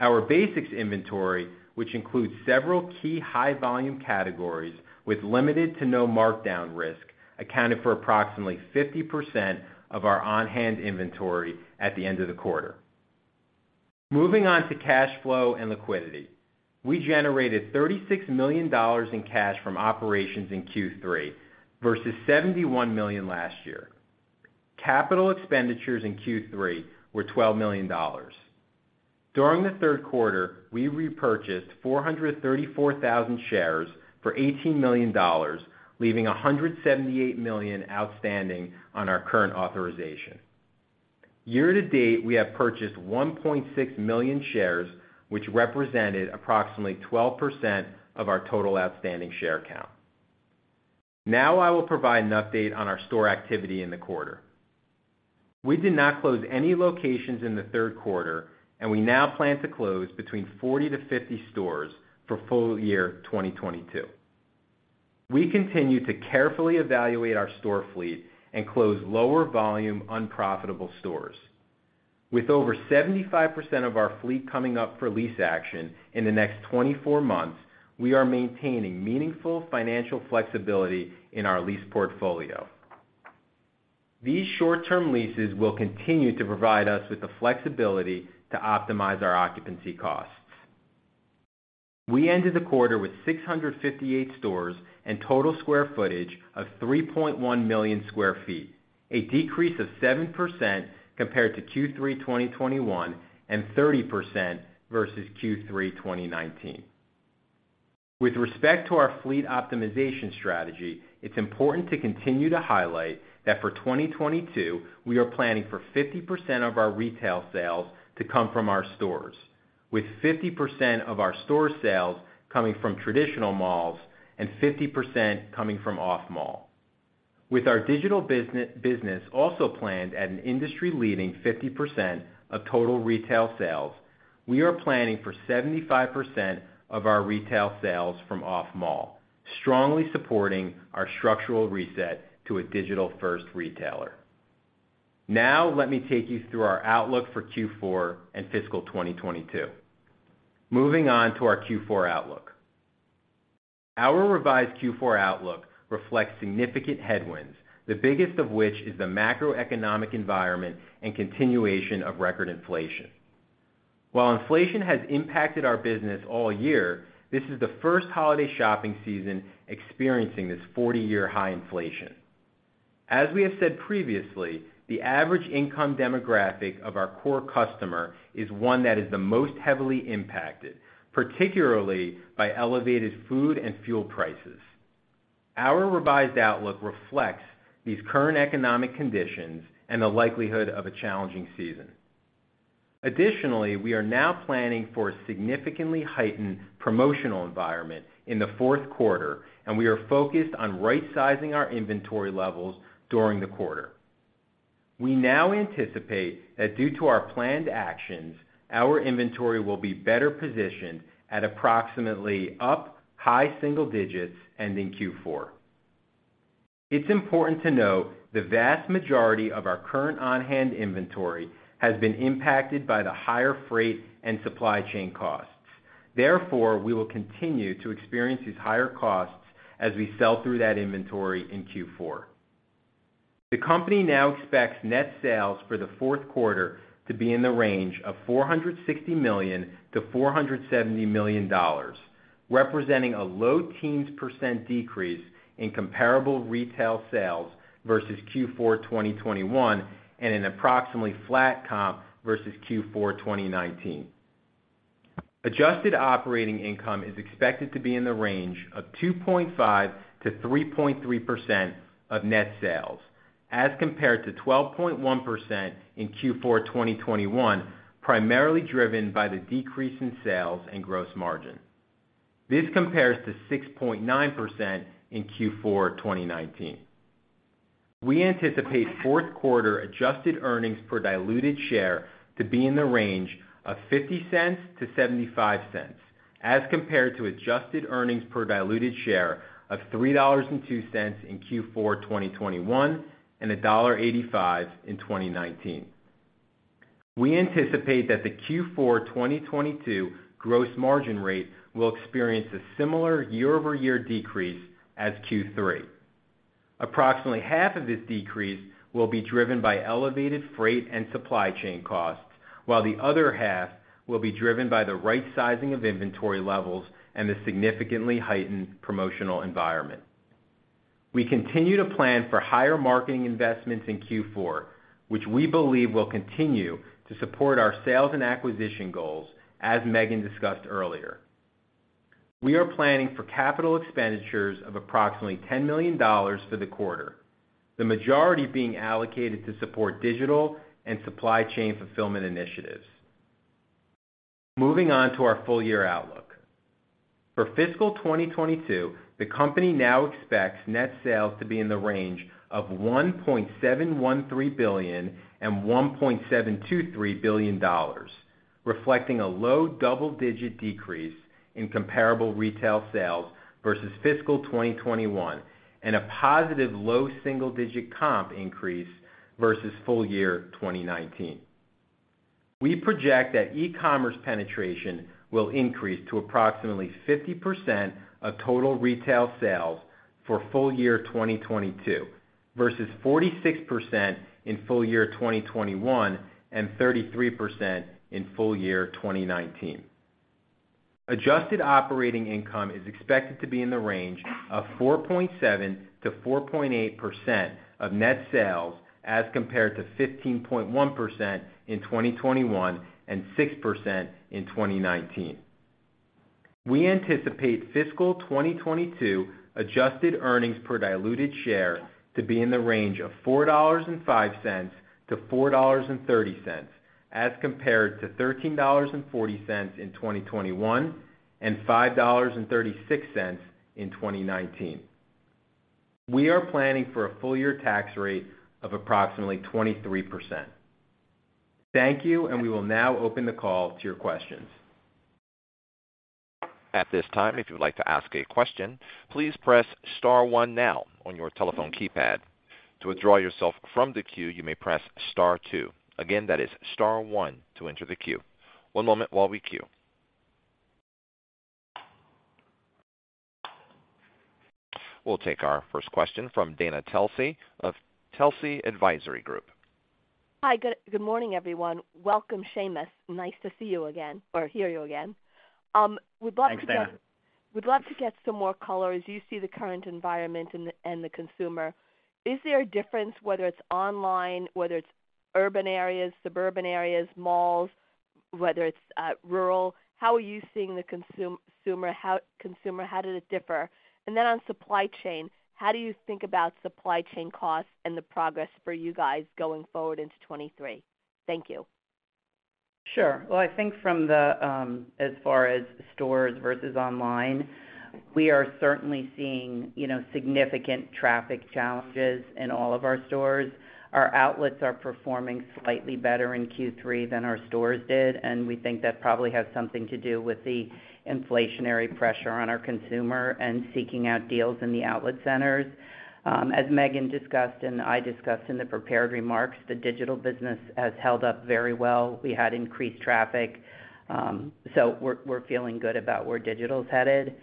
Our basics inventory, which includes several key high-volume categories with limited to no markdown risk, accounted for approximately 50% of our on-hand inventory at the end of the quarter. Moving on to cash flow and liquidity. We generated $36 million in cash from operations in Q3 versus $71 million last year. Capital expenditures in Q3 were $12 million. During the 3rd quarter, we repurchased 434,000 shares for $18 million, leaving $178 million outstanding on our current authorization. Year-to-date, we have purchased 1.6 million shares, which represented approximately 12% of our total outstanding share count. Now I will provide an update on our store activity in the quarter. We did not close any locations in the 3rd quarter, and we now plan to close between 40-50 stores for full-year 2022. We continue to carefully evaluate our store fleet and close lower-volume, unprofitable stores. With over 75% of our fleet coming up for lease action in the next 24 months, we are maintaining meaningful financial flexibility in our lease portfolio. These short-term leases will continue to provide us with the flexibility to optimize our occupancy costs. We ended the quarter with 658 stores and total square footage of 3.1 million sq ft, a decrease of 7% compared to Q3 2021 and 30% versus Q3 2019. With respect to our fleet optimization strategy, it's important to continue to highlight that for 2022, we are planning for 50% of our retail sales to come from our stores, with 50% of our store sales coming from traditional malls and 50% coming from off-mall. With our digital business also planned at an industry-leading 50% of total retail sales, we are planning for 75% of our retail sales from off-mall, strongly supporting our structural reset to a digital-1st retailer. Now let me take you through our outlook for Q4 and fiscal 2022. Moving on to our Q4 outlook. Our revised Q4 outlook reflects significant headwinds, the biggest of which is the macroeconomic environment and continuation of record inflation. While inflation has impacted our business all year, this is the 1st holiday shopping season experiencing this 40-year high inflation. As we have said previously, the average income demographic of our core customer is one that is the most heavily impacted, particularly by elevated food and fuel prices. Our revised outlook reflects these current economic conditions and the likelihood of a challenging season. Additionally, we are now planning for a significantly heightened promotional environment in the 4th quarter, and we are focused on rightsizing our inventory levels during the quarter. We now anticipate that due to our planned actions, our inventory will be better positioned at approximately up high single digits ending Q4. It's important to note the vast majority of our current on-hand inventory has been impacted by the higher freight and supply chain costs. Therefore, we will continue to experience these higher costs as we sell through that inventory in Q4. The company now expects net sales for the 4th quarter to be in the range of $460 million-$470 million, representing a low-teens % decrease in comparable retail sales versus Q4 2021 and an approximately flat comp versus Q4 2019. Adjusted operating income is expected to be in the range of 2.5%-3.3% of net sales as compared to 12.1% in Q4 2021, primarily driven by the decrease in sales and gross margin. This compares to 6.9% in Q4 2019. We anticipate 4th quarter adjusted earnings per diluted share to be in the range of $0.50-$0.75 as compared to adjusted earnings per diluted share of $3.02 in Q4 2021 and $1.85 in 2019. We anticipate that the Q4 2022 gross margin rate will experience a similar year-over-year decrease as Q3. Approximately half of this decrease will be driven by elevated freight and supply chain costs, while the other half will be driven by the rightsizing of inventory levels and the significantly heightened promotional environment. We continue to plan for higher marketing investments in Q4, which we believe will continue to support our sales and acquisition goals, as Maegan discussed earlier. We are planning for capital expenditures of approximately $10 million for the quarter, the majority being allocated to support digital and supply chain fulfillment initiatives. Moving on to our full year outlook. For fiscal 2022, the company now expects net sales to be in the range of $1.713 billion-$1.723 billion, reflecting a low double-digit decrease in comparable retail sales versus fiscal 2021 and a positive low single-digit comp increase versus full year 2019. We project that e-commerce penetration will increase to approximately 50% of total retail sales for full year 2022, versus 46% in full year 2021 and 33% in full year 2019. Adjusted operating income is expected to be in the range of 4.7%-4.8% of net sales, as compared to 15.1% in 2021 and 6% in 2019. We anticipate fiscal 2022 adjusted earnings per diluted share to be in the range of $4.05-$4.30, as compared to $13.40 in 2021 and $5.36 in 2019. We are planning for a full-year tax rate of approximately 23%. Thank you, and we will now open the call to your questions. At this time, if you would like to ask a question, please press star one now on your telephone keypad. To withdraw yourself from the queue, you may press star two. Again, that is star one to enter the queue. One moment while we queue. We'll take our 1st question from Dana Telsey of Telsey Advisory Group. Hi. Good morning, everyone. Welcome, Sheamus. Nice to see you again, or hear you again. Thanks, Dana. We'd love to get some more color as you see the current environment and the consumer. Is there a difference whether it's online, whether it's urban areas, suburban areas, malls, whether it's rural? How are you seeing the consumer? How did it differ? On supply chain, how do you think about supply chain costs and the progress for you guys going forward into 2023? Thank you. Sure. Well, I think, as far as stores versus online, we are certainly seeing, you know, significant traffic challenges in all of our stores. Our outlets are performing slightly better in Q3 than our stores did, and we think that probably has something to do with the inflationary pressure on our consumer and seeking out deals in the outlet centers. As Maegan discussed and I discussed in the prepared remarks, the digital business has held up very well. We had increased traffic. We're feeling good about where digital's headed.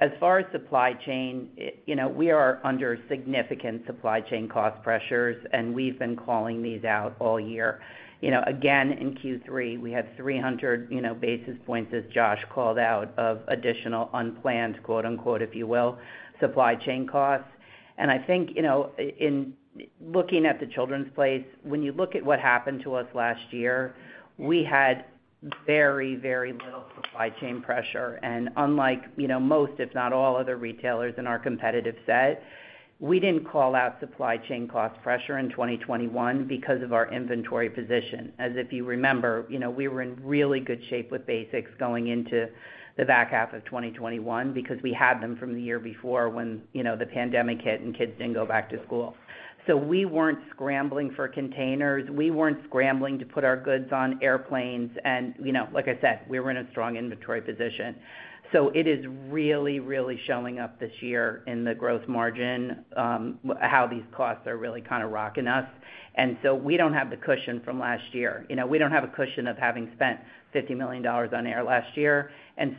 As far as supply chain, you know, we are under significant supply chain cost pressures, and we've been calling these out all year. You know, again, in Q3, we had 300, you know, basis points, as Josh called out, of additional unplanned, quote, unquote, if you will, supply chain costs. I think, you know, in looking at The Children's Place, when you look at what happened to us last year, we had very, very little supply chain pressure. Unlike, you know, most, if not all other retailers in our competitive set, we didn't call out supply chain cost pressure in 2021 because of our inventory position. As if you remember, you know, we were in really good shape with basics going into the back half of 2021 because we had them from the year before when, you know, the pandemic hit and kids didn't go back to school. We weren't scrambling for containers, we weren't scrambling to put our goods on airplanes, and you know, like I said, we were in a strong inventory position. It is really, really showing up this year in the gross margin, how these costs are really kind of rocking us. We don't have the cushion from last year. You know, we don't have a cushion of having spent $50 million on air last year.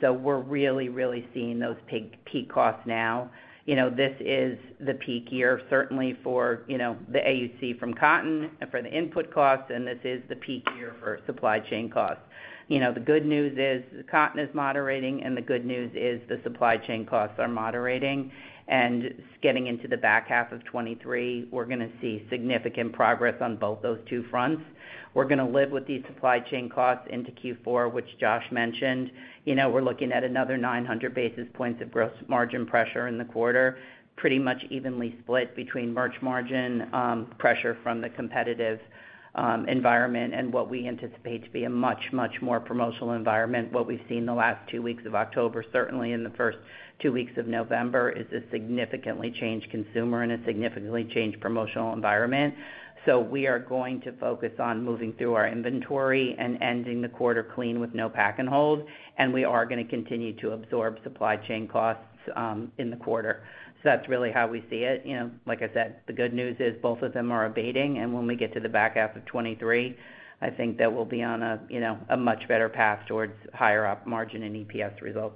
We're really, really seeing those peak costs now. You know, this is the peak year, certainly for, you know, the AUC from cotton and for the input costs, and this is the peak year for supply chain costs. You know, the good news is cotton is moderating, and the good news is the supply chain costs are moderating. Getting into the back half of 2023, we're gonna see significant progress on both those two fronts. We're gonna live with these supply chain costs into Q4, which Josh mentioned. You know, we're looking at another 900 basis points of gross margin pressure in the quarter, pretty much evenly split between merch margin pressure from the competitive environment and what we anticipate to be a much more promotional environment. What we've seen the last two weeks of October, certainly in the 1st two weeks of November, is a significantly changed consumer and a significantly changed promotional environment. We are going to focus on moving through our inventory and ending the quarter clean with no pack and hold, and we are gonna continue to absorb supply chain costs in the quarter. That's really how we see it. You know, like I said, the good news is both of them are abating, and when we get to the back half of 2023, I think that we'll be on, you know, a much better path towards higher op margin and EPS results.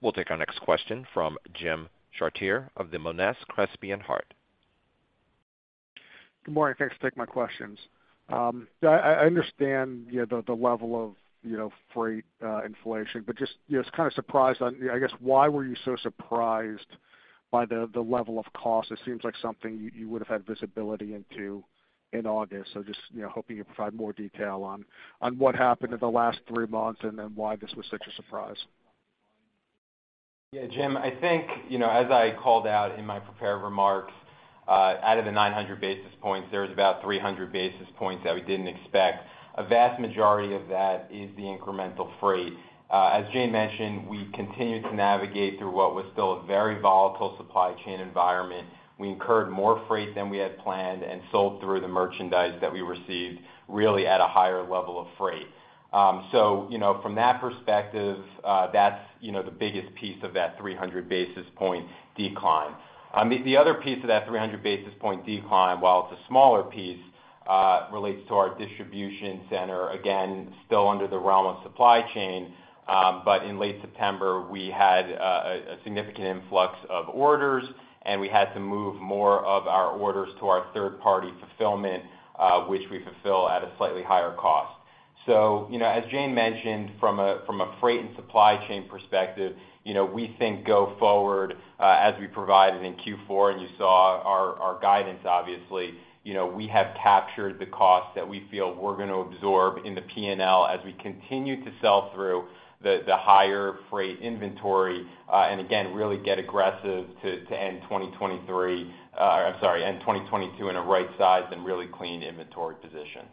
We'll take our next question from Jim Chartier of the Monness, Crespi and Hardt. Good morning. Thanks to take my questions. Yeah, I understand, you know, the level of, you know, freight inflation, but just, you know, was kind of surprised on, you know, I guess why were you so surprised by the level of cost? It seems like something you would have had visibility into in August. Just, you know, hoping you provide more detail on what happened in the last three months and then why this was such a surprise. Yeah, Jim, I think, you know, as I called out in my prepared remarks, out of the 900 basis points, there was about 300 basis points that we didn't expect. A vast majority of that is the incremental freight. As Jane mentioned, we continued to navigate through what was still a very volatile supply chain environment. We incurred more freight than we had planned and sold through the merchandise that we received, really at a higher level of freight. You know, from that perspective, that's, you know, the biggest piece of that 300 basis point decline. The other piece of that 300 basis point decline, while it's a smaller piece, relates to our distribution center, again, still under the realm of supply chain. In late September, we had a significant influx of orders, and we had to move more of our orders to our 3rd-party fulfillment, which we fulfill at a slightly higher cost. You know, as Jane mentioned from a freight and supply chain perspective, you know, we think go forward, as we provided in Q4, and you saw our guidance. Obviously, you know, we have captured the cost that we feel we're gonna absorb in the P&L as we continue to sell through the higher freight inventory, and again, really get aggressive to end 2022 in a right size and really clean inventory position.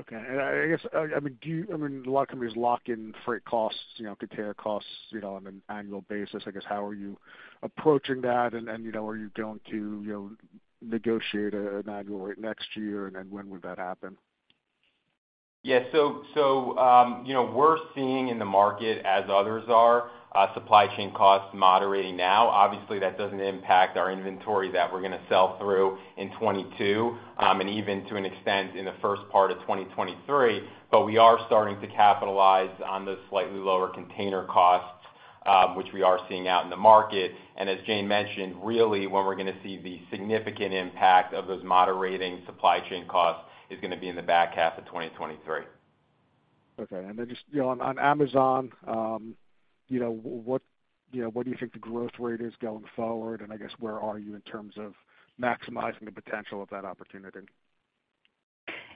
Okay. I guess, I mean, a lot of companies lock in freight costs, you know, container costs, you know, on an annual basis. I guess, how are you approaching that? You know, are you going to, you know, negotiate an annual rate next year? When would that happen? Yeah, you know, we're seeing in the market as others are, supply chain costs moderating now. Obviously, that doesn't impact our inventory that we're gonna sell through in 2022, and even to an extent in the 1st part of 2023. We are starting to capitalize on the slightly lower container costs, which we are seeing out in the market. As Jane mentioned, really, when we're gonna see the significant impact of those moderating supply chain costs is gonna be in the back half of 2023. Okay. Just, you know, on Amazon, you know, what do you think the growth rate is going forward, and I guess here are you in terms of maximizing the potential of that opportunity?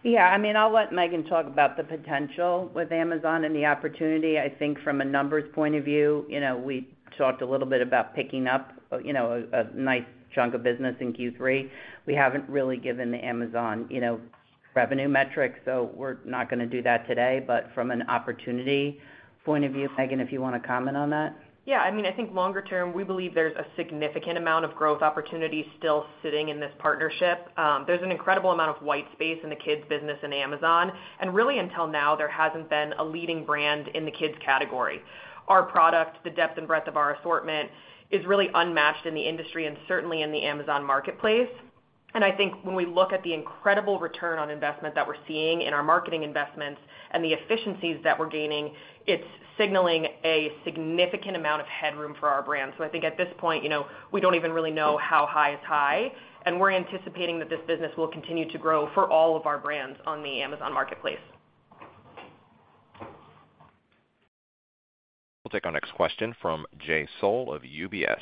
Yeah. I mean, I'll let Maegan talk about the potential with Amazon and the opportunity. I think from a numbers point of view, you know, we talked a little bit about picking up, you know, a nice chunk of business in Q3. We haven't really given the Amazon, you know, revenue metrics, so we're not gonna do that today. From an opportunity point of view, Maegan, if you wanna comment on that. Yeah. I mean, I think longer term, we believe there's a significant amount of growth opportunity still sitting in this partnership. There's an incredible amount of white space in the kids business in Amazon. Really until now, there hasn't been a leading brand in the kids category. Our product, the depth and breadth of our assortment is really unmatched in the industry and certainly in the Amazon Marketplace. I think when we look at the incredible return on investment that we're seeing in our marketing investments and the efficiencies that we're gaining, it's signaling a significant amount of headroom for our brand. I think at this point, you know, we don't even really know how high is high, and we're anticipating that this business will continue to grow for all of our brands on the Amazon Marketplace. We'll take our next question from Jay Sole of UBS.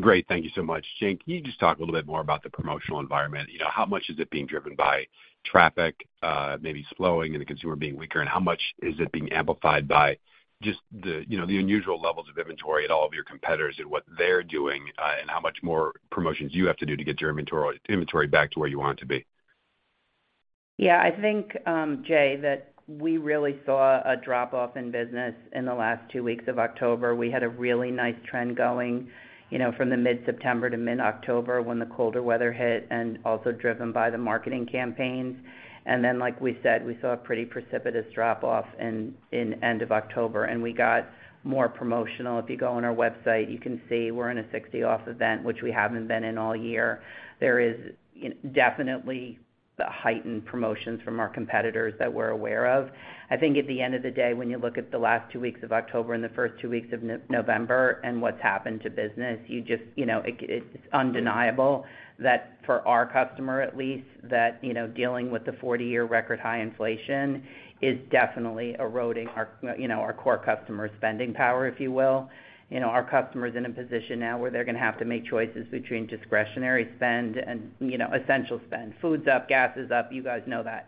Great. Thank you so much. Jane, can you just talk a little bit more about the promotional environment? You know, how much is it being driven by traffic maybe slowing and the consumer being weaker? How much is it being amplified by just the, you know, the unusual levels of inventory at all of your competitors and what they're doing and how much more promotions you have to do to get your inventory back to where you want it to be? Yeah. I think, Jay, that we really saw a drop-off in business in the last two weeks of October. We had a really nice trend going, you know, from the mid-September to mid-October when the colder weather hit and also driven by the marketing campaigns. Like we said, we saw a pretty precipitous drop-off in end of October, and we got more promotional. If you go on our website, you can see we're in a 60-off event, which we haven't been in all year. There is definitely the heightened promotions from our competitors that we're aware of. I think at the end of the day, when you look at the last two weeks of October and the 1st two weeks of November and what's happened to business, you know, it's undeniable that for our customer, at least, you know, dealing with the 40-year record high inflation is definitely eroding, you know, our core customer spending power, if you will. You know, our customer's in a position now where they're gonna have to make choices between discretionary spend and, you know, essential spend. Food's up, gas is up. You guys know that.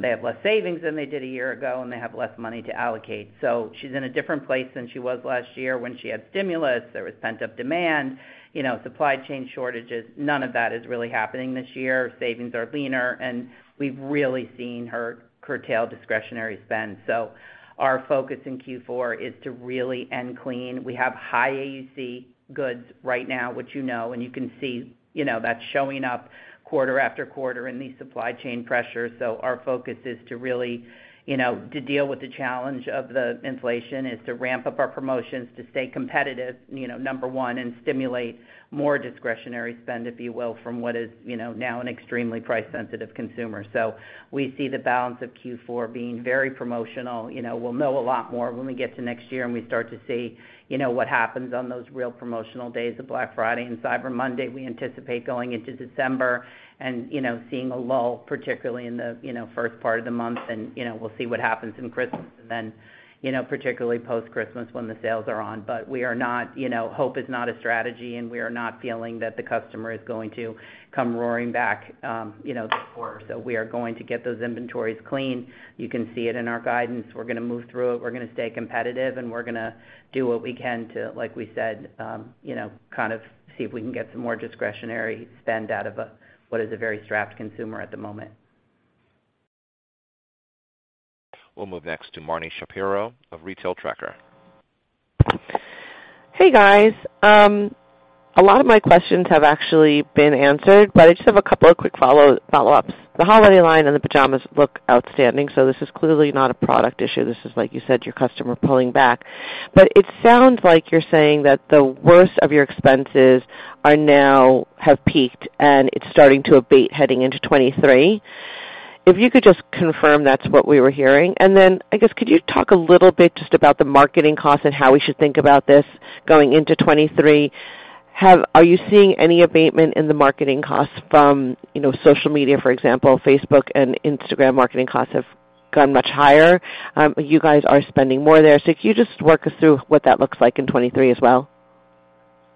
They have less savings than they did a year ago, and they have less money to allocate. She's in a different place than she was last year when she had stimulus. There was pent-up demand, you know, supply chain shortages. None of that is really happening this year. Savings are leaner, and we've really seen her curtail discretionary spend. Our focus in Q4 is to really end clean. We have high AUC goods right now, which you know, and you can see, you know, that's showing up quarter after quarter in these supply chain pressures. Our focus is to really, you know, deal with the challenge of the inflation, to ramp up our promotions to stay competitive, you know, number one, and stimulate more discretionary spend, if you will, from what is, you know, now an extremely price-sensitive consumer. We see the balance of Q4 being very promotional. You know, we'll know a lot more when we get to next year, and we start to see, you know, what happens on those real promotional days of Black Friday and Cyber Monday. We anticipate going into December and, you know, seeing a lull, particularly in the, you know, 1st part of the month. You know, we'll see what happens in Christmas and then, you know, particularly post-Christmas when the sales are on. We are not, you know, hope is not a strategy, and we are not feeling that the customer is going to come roaring back, you know, this quarter. We are going to get those inventories clean. You can see it in our guidance. We're gonna move through it. We're gonna stay competitive, and we're gonna do what we can to, like we said, you know, kind of see if we can get some more discretionary spend out of what is a very strapped consumer at the moment. We'll move next to Marni Shapiro of Retail Tracker. Hey, guys. A lot of my questions have actually been answered, but I just have a couple of quick follow-ups. The holiday line and the pajamas look outstanding, so this is clearly not a product issue. This is, like you said, your customer pulling back. It sounds like you're saying that the worst of your expenses have peaked, and it's starting to abate heading into 2023. If you could just confirm that's what we were hearing. I guess, could you talk a little bit just about the marketing costs and how we should think about this going into 2023? Are you seeing any abatement in the marketing costs from, you know, social media, for example? Facebook and Instagram marketing costs have gone much higher, but you guys are spending more there. If you could just walk us through what that looks like in 2023 as well.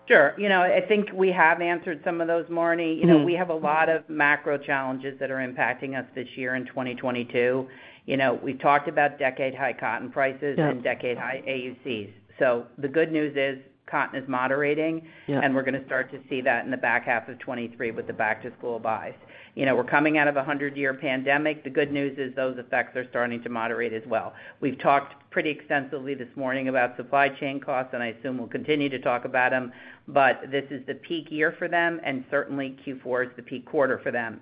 Sure. You know, I think we have answered some of those, Marni. You know, we have a lot of macro challenges that are impacting us this year in 2022. You know, we talked about decade-high cotton prices. Yeah. Decade-high AUCs. The good news is cotton is moderating. Yeah. We're gonna start to see that in the back half of 2023 with the back-to-school buys. You know, we're coming out of a 100-year pandemic. The good news is those effects are starting to moderate as well. We've talked pretty extensively this morning about supply chain costs, and I assume we'll continue to talk about them. This is the peak year for them, and certainly Q4 is the peak quarter for them.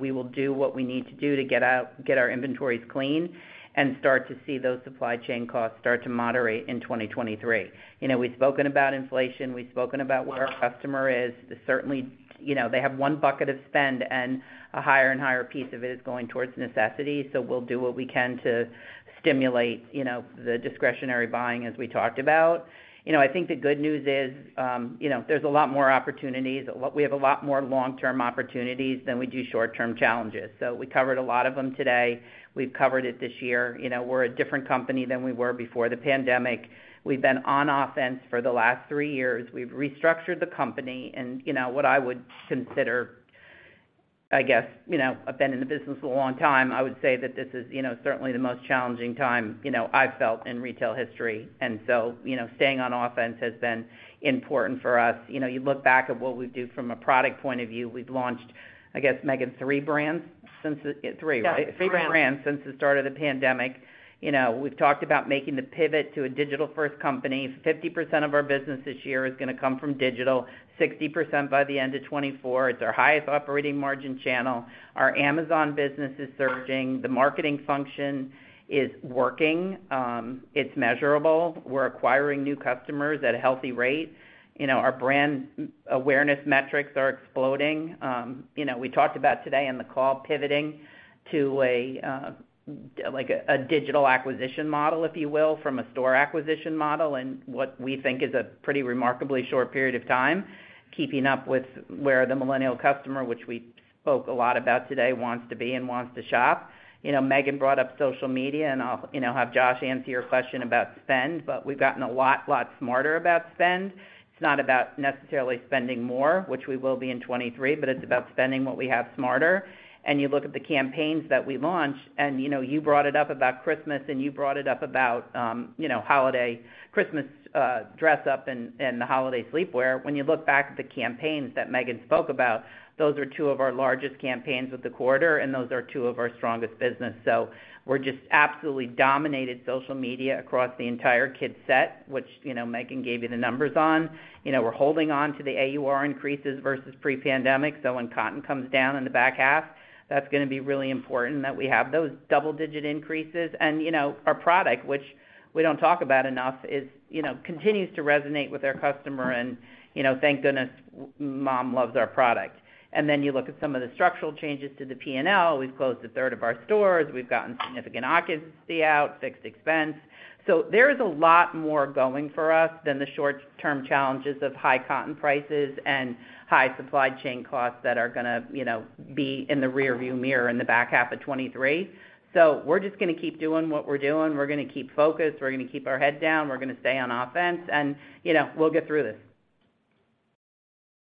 We will do what we need to do to get our inventories clean and start to see those supply chain costs start to moderate in 2023. You know, we've spoken about inflation, we've spoken about where our customer is. Certainly, you know, they have one bucket of spend, and a higher and higher piece of it is going towards necessities. We'll do what we can to stimulate, you know, the discretionary buying as we talked about. You know, I think the good news is, you know, there's a lot more opportunities. We have a lot more long-term opportunities than we do short-term challenges. We covered a lot of them today. We've covered it this year. You know, we're a different company than we were before the pandemic. We've been on offense for the last three years. We've restructured the company in, you know, what I would consider, I guess. You know, I've been in the business a long time, I would say that this is, you know, certainly the most challenging time, you know, I've felt in retail history. You know, staying on offense has been important for us. You know, you look back at what we do from a product point of view. We've launched, I guess, Maegan, three brands. Three, right? Yeah, three brands. Three brands since the start of the pandemic. You know, we've talked about making the pivot to a digital-1st company. 50% of our business this year is gonna come from digital, 60% by the end of 2024. It's our highest operating margin channel. Our Amazon business is surging. The marketing function is working. It's measurable. We're acquiring new customers at a healthy rate. You know, our brand awareness metrics are exploding. You know, we talked about today in the call pivoting to like a digital acquisition model, if you will, from a store acquisition model in what we think is a pretty remarkably short period of time, keeping up with where the Millennial customer, which we spoke a lot about today, wants to be and wants to shop. You know, Maegan brought up social media, and I'll, you know, have Josh answer your question about spend, but we've gotten a lot smarter about spend. It's not about necessarily spending more, which we will be in 2023, but it's about spending what we have smarter. You look at the campaigns that we launch, and, you know, you brought it up about Christmas, and you brought it up about, you know, holiday Christmas dress up and the holiday sleepwear. When you look back at the campaigns that Maegan spoke about, those are two of our largest campaigns of the quarter, and those are two of our strongest business. We're just absolutely dominated social media across the entire kids' set, which, you know, Maegan gave you the numbers on. You know, we're holding on to the AUR increases versus pre-pandemic, so when cotton comes down in the back half, that's gonna be really important that we have those double-digit increases. You know, our product, which we don't talk about enough, you know, continues to resonate with our customer and, you know, thank goodness mom loves our product. You look at some of the structural changes to the P&L. We've closed 1/3 of our stores. We've gotten significant occupancy out, fixed expense. There is a lot more going for us than the short-term challenges of high cotton prices and high supply chain costs that are gonna, you know, be in the rearview mirror in the back half of 2023. We're just gonna keep doing what we're doing. We're gonna keep focused. We're gonna keep our head down. We're gonna stay on offense and, you know, we'll get through this.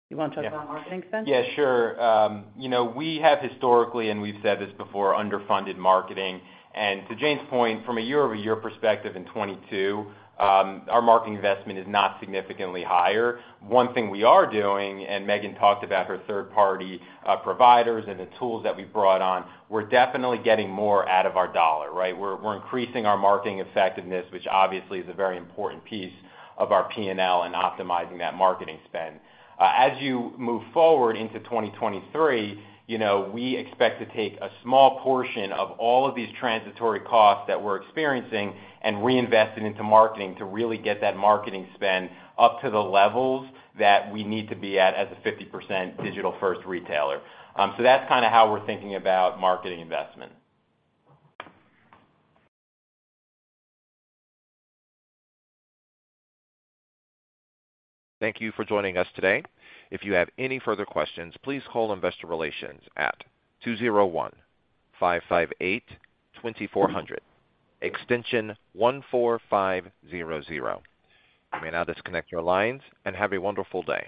You wanna talk about marketing spend? Yeah, sure. You know, we have historically, and we've said this before, underfunded marketing. To Jane's point, from a year-over-year perspective in 2022, our marketing investment is not significantly higher. One thing we are doing, and Maegan talked about her 3rd-party providers and the tools that we brought on, we're definitely getting more out of our dollar, right? We're increasing our marketing effectiveness, which obviously is a very important piece of our P&L and optimizing that marketing spend. As you move forward into 2023, you know, we expect to take a small portion of all of these transitory costs that we're experiencing and reinvest it into marketing to really get that marketing spend up to the levels that we need to be at as a 50% digital-first retailer. That's kinda how we're thinking about marketing investment. Thank you for joining us today. If you have any further questions, please call Investor Relations at 201-558-2400, extension 14500. You may now disconnect your lines, and have a wonderful day.